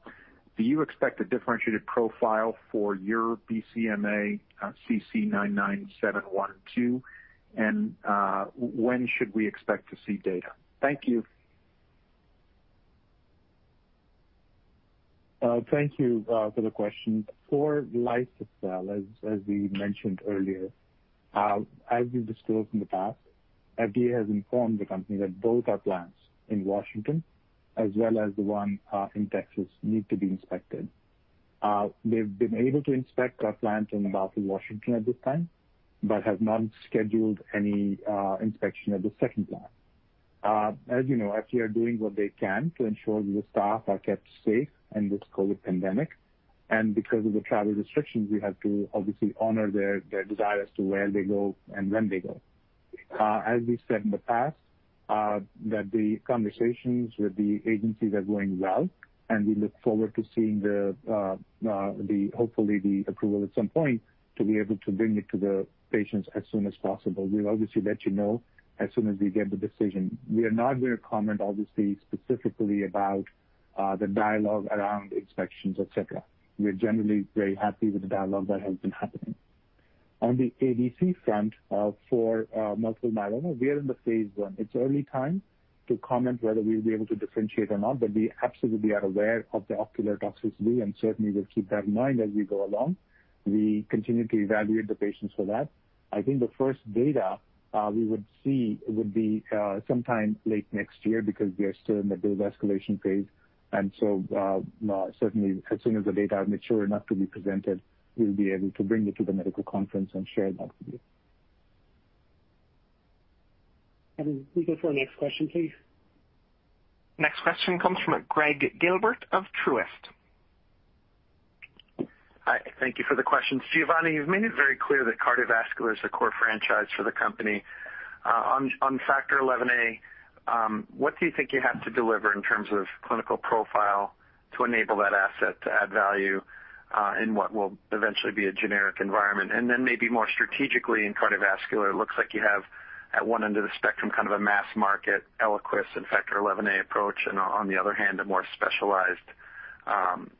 Do you expect a differentiated profile for your BCMA CC-99712, and when should we expect to see data? Thank you. Thank you for the question. For liso-cel, as we mentioned earlier, as we've disclosed in the past, FDA has informed the company that both our plants in Washington as well as the one in Texas need to be inspected. They've been able to inspect our plant in Bothell, Washington at this time, but have not scheduled any inspection at the second plant. As you know, FDA are doing what they can to ensure the staff are kept safe in this COVID pandemic. Because of the travel restrictions, we have to obviously honor their desire as to where they go and when they go. As we've said in the past, that the conversations with the agencies are going well, and we look forward to seeing, hopefully, the approval at some point to be able to bring it to the patients as soon as possible. We'll obviously let you know as soon as we get the decision. We are not going to comment, obviously, specifically about the dialogue around inspections, et cetera. We are generally very happy with the dialogue that has been happening. On the ADC front for multiple myeloma, we are in the phase I. It's early time to comment whether we'll be able to differentiate or not, but we absolutely are aware of the ocular toxicity and certainly will keep that in mind as we go along. We continue to evaluate the patients for that. I think the first data we would see would be sometime late next year because we are still in the dose escalation phase. Certainly, as soon as the data are mature enough to be presented, we'll be able to bring it to the medical conference and share that with you. Kevin, can we go to our next question, please? Next question comes from Gregg Gilbert of Truist. Hi, thank you for the question. Giovanni, you've made it very clear that cardiovascular is a core franchise for the company. On Factor XIa. What do you think you have to deliver in terms of clinical profile to enable that asset to add value in what will eventually be a generic environment? Then maybe more strategically in cardiovascular, it looks like you have at one end of the spectrum, kind of a mass market ELIQUIS and Factor XIa approach, and on the other hand, a more specialized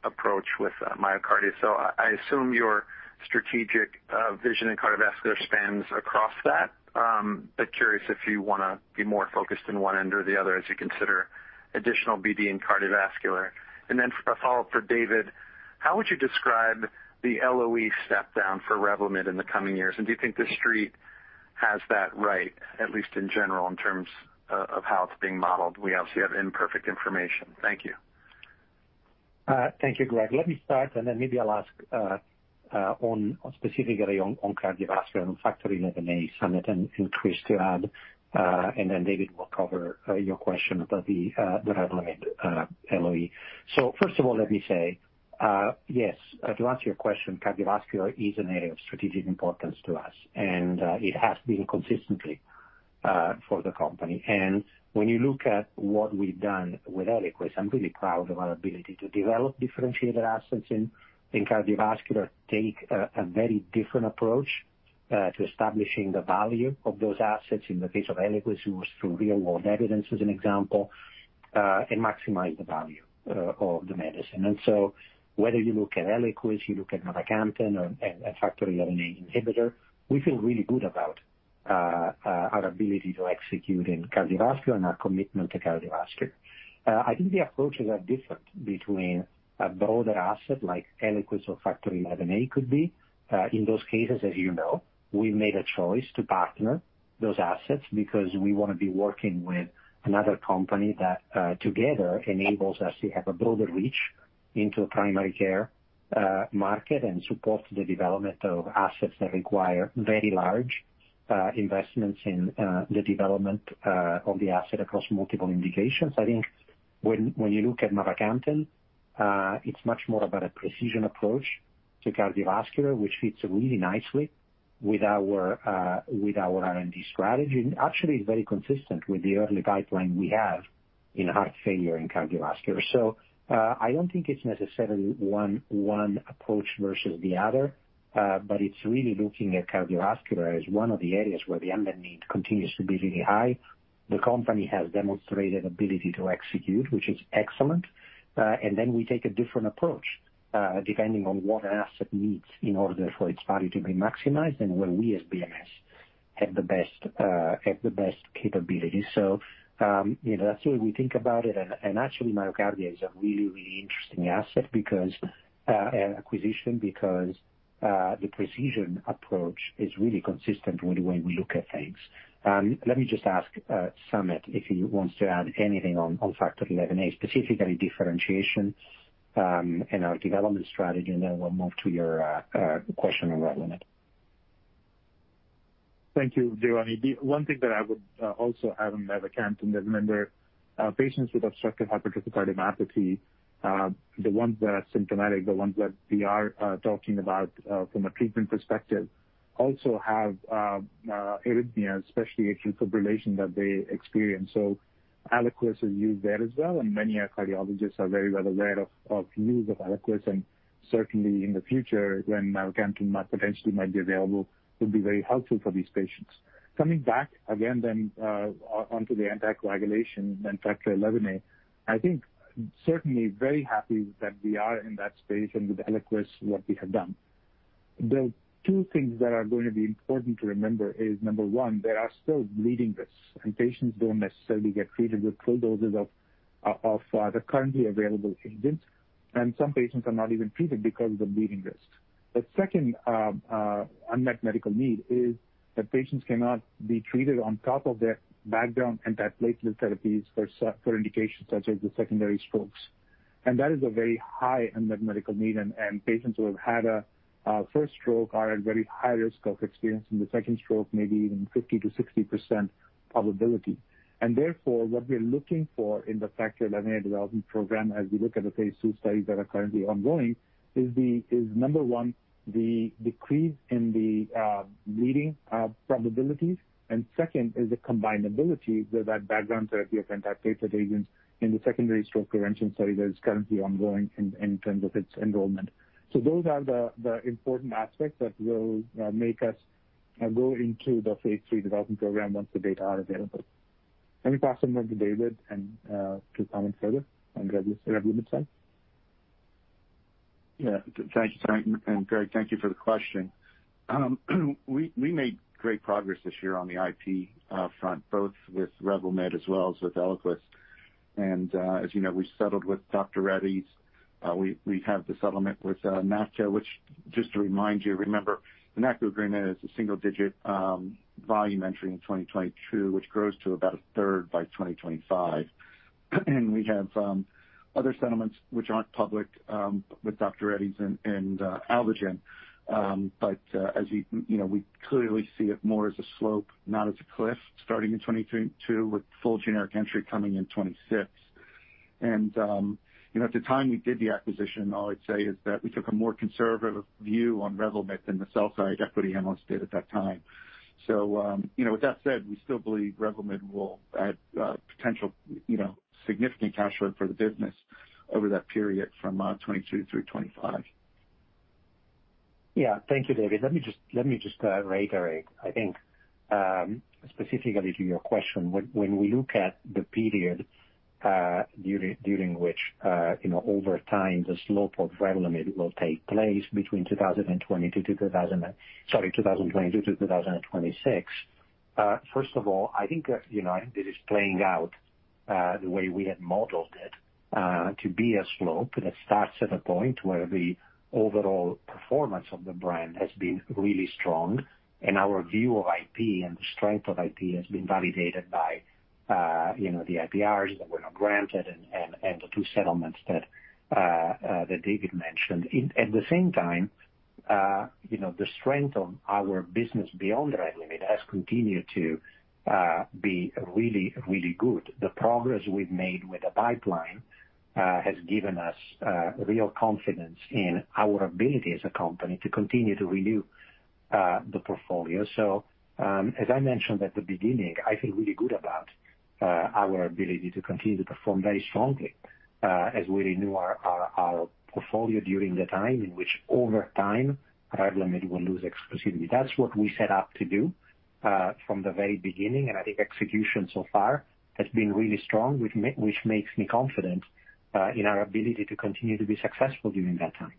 approach with MyoKardia. I assume your strategic vision in cardiovascular spans across that. Curious if you want to be more focused in one end or the other as you consider additional BD in cardiovascular. Then, a follow-up for David, how would you describe the LOE step down for REVLIMID in the coming years? Do you think the Street has that right, at least in general, in terms of how it's being modeled? We obviously have imperfect information. Thank you. Thank you, Gregg. Then maybe I'll ask specifically on cardiovascular and Factor XIa, Samit and Chris to add, then David will cover your question about the REVLIMID LOE. First of all, let me say, yes, to answer your question, cardiovascular is an area of strategic importance to us, and it has been consistently for the company. When you look at what we've done with ELIQUIS, I'm really proud of our ability to develop differentiated assets in cardiovascular, take a very different approach to establishing the value of those assets. In the case of ELIQUIS, it was through real-world evidence, as an example, and maximize the value of the medicine. Whether you look at ELIQUIS, you look at mavacamten, or a Factor XIa inhibitor, we feel really good about our ability to execute in cardiovascular and our commitment to cardiovascular. I think the approaches are different between a broader asset like ELIQUIS or Factor XIa could be. In those cases, as you know, we've made a choice to partner those assets because we want to be working with another company that together enables us to have a broader reach into the primary care market and support the development of assets that require very large investments in the development of the asset across multiple indications. I think when you look at mavacamten, it's much more about a precision approach to cardiovascular, which fits really nicely with our R&D strategy, and actually is very consistent with the early pipeline we have in heart failure in cardiovascular. I don't think it's necessarily one approach versus the other, but it's really looking at cardiovascular as one of the areas where the unmet need continues to be really high. The company has demonstrated ability to execute, which is excellent. We take a different approach depending on what an asset needs in order for its value to be maximized, and where we, as BMS have the best capabilities. That's the way we think about it. Actually, MyoKardia is a really interesting asset because an acquisition, because the precision approach is really consistent with the way we look at things. Let me just ask Samit if he wants to add anything on Factor XIa, specifically differentiation in our development strategy, and then we'll move to your question on REVLIMID. Thank you, Giovanni. The one thing that I would also add on mavacamten is remember, patients with obstructive hypertrophic cardiomyopathy, the ones that are symptomatic, the ones that we are talking about from a treatment perspective, also have arrhythmia, especially atrial fibrillation that they experience. ELIQUIS is used there as well, and many cardiologists are very well aware of use of ELIQUIS, and certainly, in the future, when mavacamten potentially might be available could be very helpful for these patients. Coming back again, then onto the anticoagulation and Factor XIa, I think certainly very happy that we are in that space and with ELIQUIS, what we have done. The two things that are going to be important to remember is, number one, there are still bleeding risks, and patients don't necessarily get treated with full doses of the currently available agents, and some patients are not even treated because of the bleeding risk. The second unmet medical need is that patients cannot be treated on top of their background antiplatelet therapies for indications such as the secondary strokes. That is a very high unmet medical need, and patients who have had a first stroke are at very high risk of experiencing the second stroke, maybe even 50%-60% probability. Therefore, what we're looking for in the Factor XIa development program, as we look at the phase II studies that are currently ongoing, is number one, the decrease in the bleeding probabilities, and second is the combinability with that background therapy of antiplatelet agents in the secondary stroke prevention study that is currently ongoing in terms of its enrollment. Those are the important aspects that will make us go into the phase III development program once the data are available. Let me pass them on to David and to comment further on the REVLIMID side. Yeah. Thank you, Samit, and Gregg, thank you for the question. As you know, we made great progress this year on the IP front, both with REVLIMID as well as with ELIQUIS. As you know, we settled with Dr. Reddy's. We have the settlement with Natco which, just to remind you, remember the Natco agreement is a single-digit volume entry in 2022, which grows to about 1/3 by 2025. We have other settlements which aren't public with Dr. Reddy's and Alvogen. As you know, we clearly see it more as a slope, not as a cliff, starting in 2022 with full generic entry coming in 2026. At the time we did the acquisition, all I'd say is that we took a more conservative view on REVLIMID than the sell-side equity analysts did at that time. With that said, we still believe REVLIMID will add potential significant cash flow for the business over that period from 2022 through 2025. Thank you, David. Let me just reiterate, I think, specifically to your question, when we look at the period during which, over time, the slope of REVLIMID will take place between 2022-2026. First of all, I think that it is playing out the way we had modeled it, to be a slope that starts at a point where the overall performance of the brand has been really strong. Our view of IP and the strength of IP has been validated by the IPRs that were not granted and the two settlements that David mentioned. At the same time, the strength of our business beyond REVLIMID has continued to be really, really good. The progress we've made with the pipeline has given us real confidence in our ability as a company to continue to renew the portfolio. As I mentioned at the beginning, I feel really good about our ability to continue to perform very strongly as we renew our portfolio during the time in which, over time, REVLIMID will lose exclusivity. That's what we set out to do from the very beginning, and I think execution so far has been really strong, which makes me confident in our ability to continue to be successful during that time.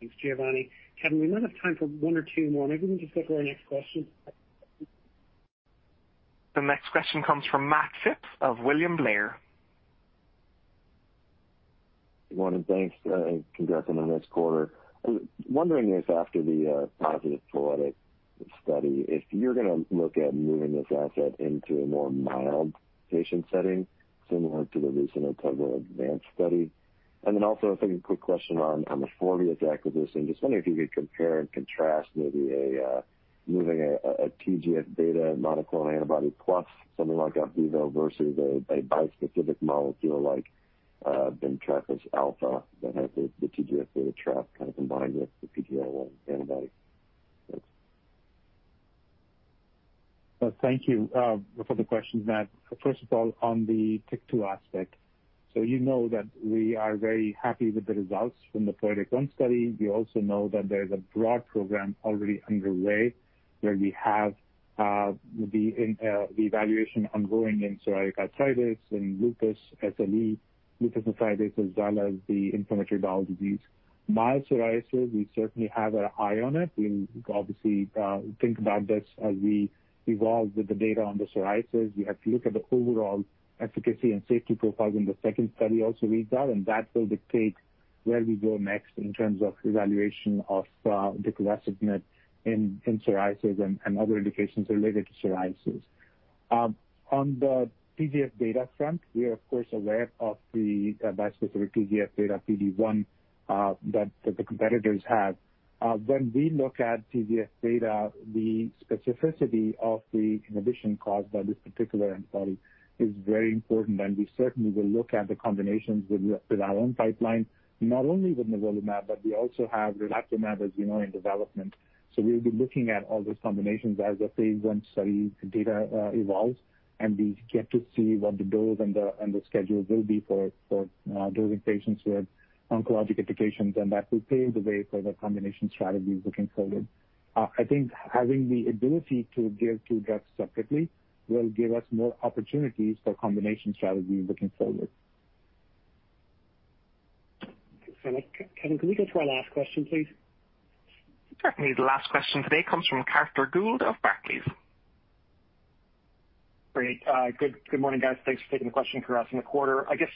Thanks, Giovanni. Kevin, we might have time for one or two more. Maybe we can just go to our next question. The next question comes from Matt Phipps of William Blair. Good morning. Thanks. Congratulations on the next quarter. I was wondering if after the positive POETYK study, if you're going to look at moving this asset into a more mild patient setting similar to the recent OTEZLA ADVANCE study. Then also, I think a quick question on the Forbius acquisition. Just wondering if you could compare and contrast, maybe moving a TGF-beta monoclonal antibody plus something like OPDIVO, versus a bispecific molecule like bintrafusp alfa that has the TGF-beta trap kind of combined with the PD-L1 antibody? Thanks. Thank you for the questions, Matt. First of all, on the TYK2 aspect, you know that we are very happy with the results from the POETYK PSO-1 study. We also know that there's a broad program already underway where we have the evaluation ongoing in psoriatic arthritis, in lupus, SLE, lupus arthritis, as well as the inflammatory bowel disease. Mild psoriasis, we certainly have our eye on it. We obviously think about this as we evolve with the data on the psoriasis. We have to look at the overall efficacy and safety profile when the second study also reads out. That will dictate where we go next in terms of evaluation of the deucravacitinib in psoriasis and other indications related to psoriasis. On the TGF-beta front, we are, of course aware of the bispecific TGF-beta PD-1 that the competitors have. When we look at TGF-beta, the specificity of the inhibition caused by this particular antibody is very important, and we certainly will look at the combinations with our own pipeline, not only with nivolumab, but we also have relatlimab, as you know, in development. We'll be looking at all those combinations as the phase I study data evolves, and we get to see what the dose and the schedule will be for dosing patients with oncologic indications, and that will pave the way for the combination strategies looking forward. I think having the ability to give two drugs separately will give us more opportunities for combination strategy, looking forward. Thanks, Matt. Kevin, can we go to our last question, please? Certainly. The last question today comes from Carter Gould of Barclays. Great. Good morning, guys. Thanks for taking the question. Congrats on the quarter. I guess,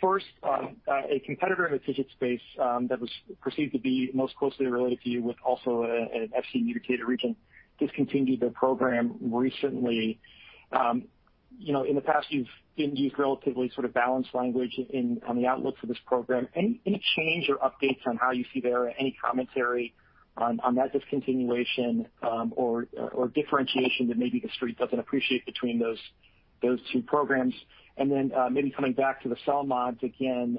first, a competitor in the TIGIT space that was perceived to be most closely related to you, with also an Fc mutated region discontinued their program recently. In the past, you've indeed relatively sort of balanced language on the outlook for this program. Any change or updates on how you see there? Any commentary on that discontinuation or differentiation that maybe the Street doesn't appreciate between those two programs? Maybe coming back to the CELMoDs again,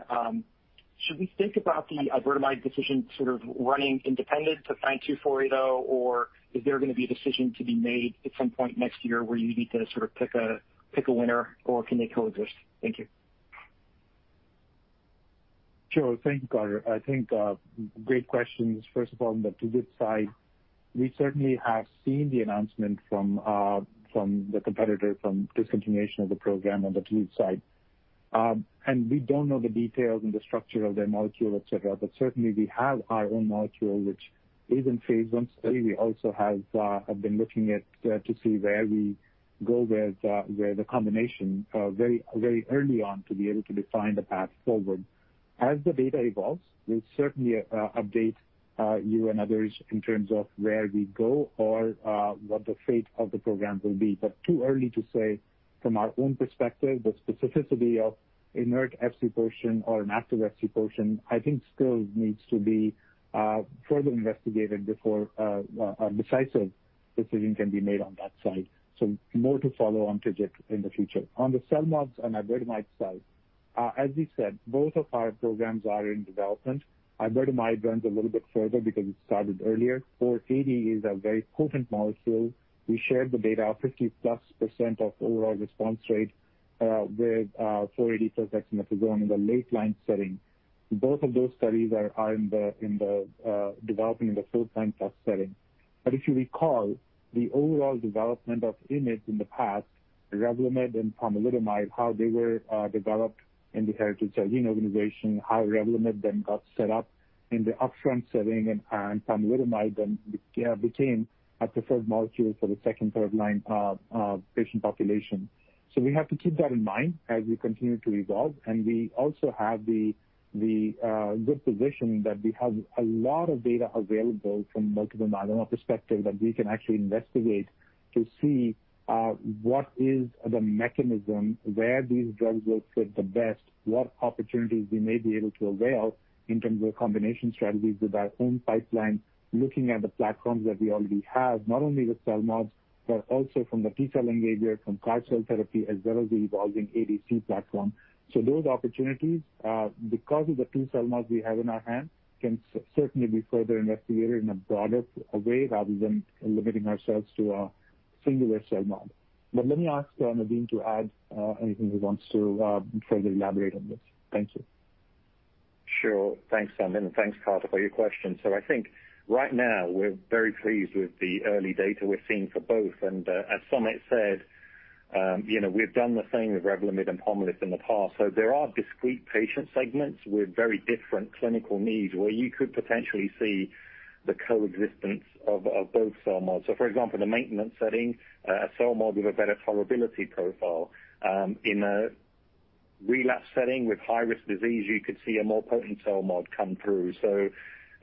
should we think about the iberdomide decision sort of running independent of CC-92480, or is there going to be a decision to be made at some point next year where you need to sort of pick a winner, or can they coexist? Thank you. Sure. Thank you, Carter. I think great questions. First of all, on the TIGIT side, we certainly have seen the announcement from the competitor from discontinuation of the program on the TIGIT side. We don't know the details and the structure of their molecule, et cetera, but certainly we have our own molecule, which is in phase I study. We also have been looking at to see where we go with the combination very early on to be able to define the path forward. As the data evolves, we'll certainly update you and others in terms of where we go or what the fate of the program will be. Too early to say from our own perspective, the specificity of inert Fc portion or an active Fc portion, I think still, needs to be further investigated before a decisive decision can be made on that side. More to follow on TIGIT in the future. On the CELMoDs and iberdomide side. As we said, both of our programs are in development. Iberdomide runs a little bit further because it started earlier. CC-92480 is a very potent molecule. We shared the data, 50%+ of overall response rate with CC-92480 protection that was going in the late line setting. Both of those studies are in the development in the fourth-line plus setting. If you recall, the overall development of IMiDs in the past, REVLIMID and pomalidomide, how they were developed in the heritage Celgene organization, how REVLIMID then got set up in the upfront setting, and pomalidomide then became a preferred molecule for the second- and third-line patient population. We have to keep that in mind as we continue to evolve. We also have the good position that we have a lot of data available from multiple molecular perspectives that we can actually investigate to see what is the mechanism where these drugs will fit the best, what opportunities we may be able to avail in terms of combination strategies with our own pipeline, looking at the platforms that we already have, not only with CELMoDs, but also from the T-cell engagement, from CAR cell therapy, as well as the evolving ADC platform. Those opportunities, because of the two CELMoDs we have in our hands, can certainly be further investigated in a broader way rather than limiting ourselves to a singular CELMoD. Let me ask Nadim to add anything he wants to further elaborate on this. Thank you. Sure. Thanks, Samit, and thanks, Carter, for your question. I think right now we're very pleased with the early data we're seeing for both. As Samit said, we've done the same with REVLIMID and POMALYST in the past. There are discrete patient segments with very different clinical needs where you could potentially see the coexistence of both CELMoDs. For example, the maintenance setting, a CELMoD with a better tolerability profile. In a relapse setting with high-risk disease, you could see a more potent CELMoD come through.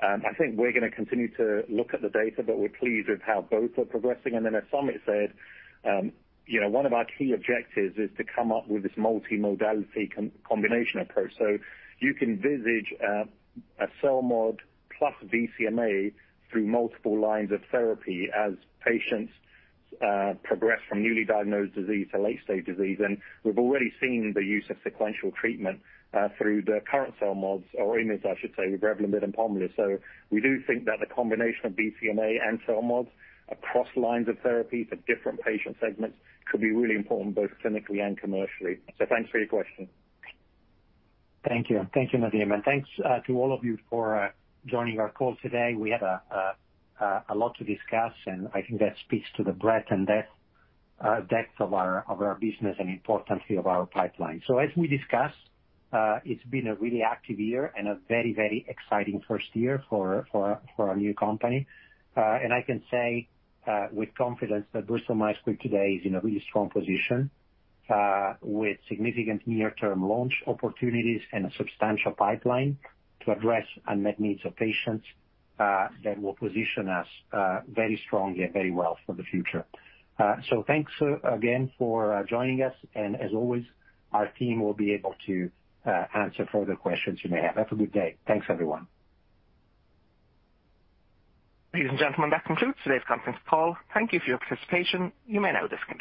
I think we're going to continue to look at the data, but we're pleased with how both are progressing. As Samit said, one of our key objectives is to come up with this multimodality combination approach. You can envisage a CELMoD plus BCMA through multiple lines of therapy as patients progress from newly diagnosed disease to late-stage disease. We've already seen the use of sequential treatment through the current CELMoDs, or IMiD, I should say, with REVLIMID and POMALYST. We do think that the combination of BCMA and CELMoDs across lines of therapy for different patient segments could be really important both clinically and commercially. Thanks for your question. Thank you. Thank you, Nadim, and thanks to all of you for joining our call today. We had a lot to discuss. I think that speaks to the breadth and depth of our business and, importantly, of our pipeline. As we discussed, it's been a really active year and a very exciting first year for our new company. I can say with confidence that Bristol Myers Squibb today is in a really strong position, with significant near-term launch opportunities and a substantial pipeline to address unmet needs of patients that will position us very strongly and very well for the future. Thanks again for joining us, and as always, our team will be able to answer further questions you may have. Have a good day. Thanks, everyone. Ladies and gentlemen, that concludes today's conference call. Thank you for your participation. You may now disconnect.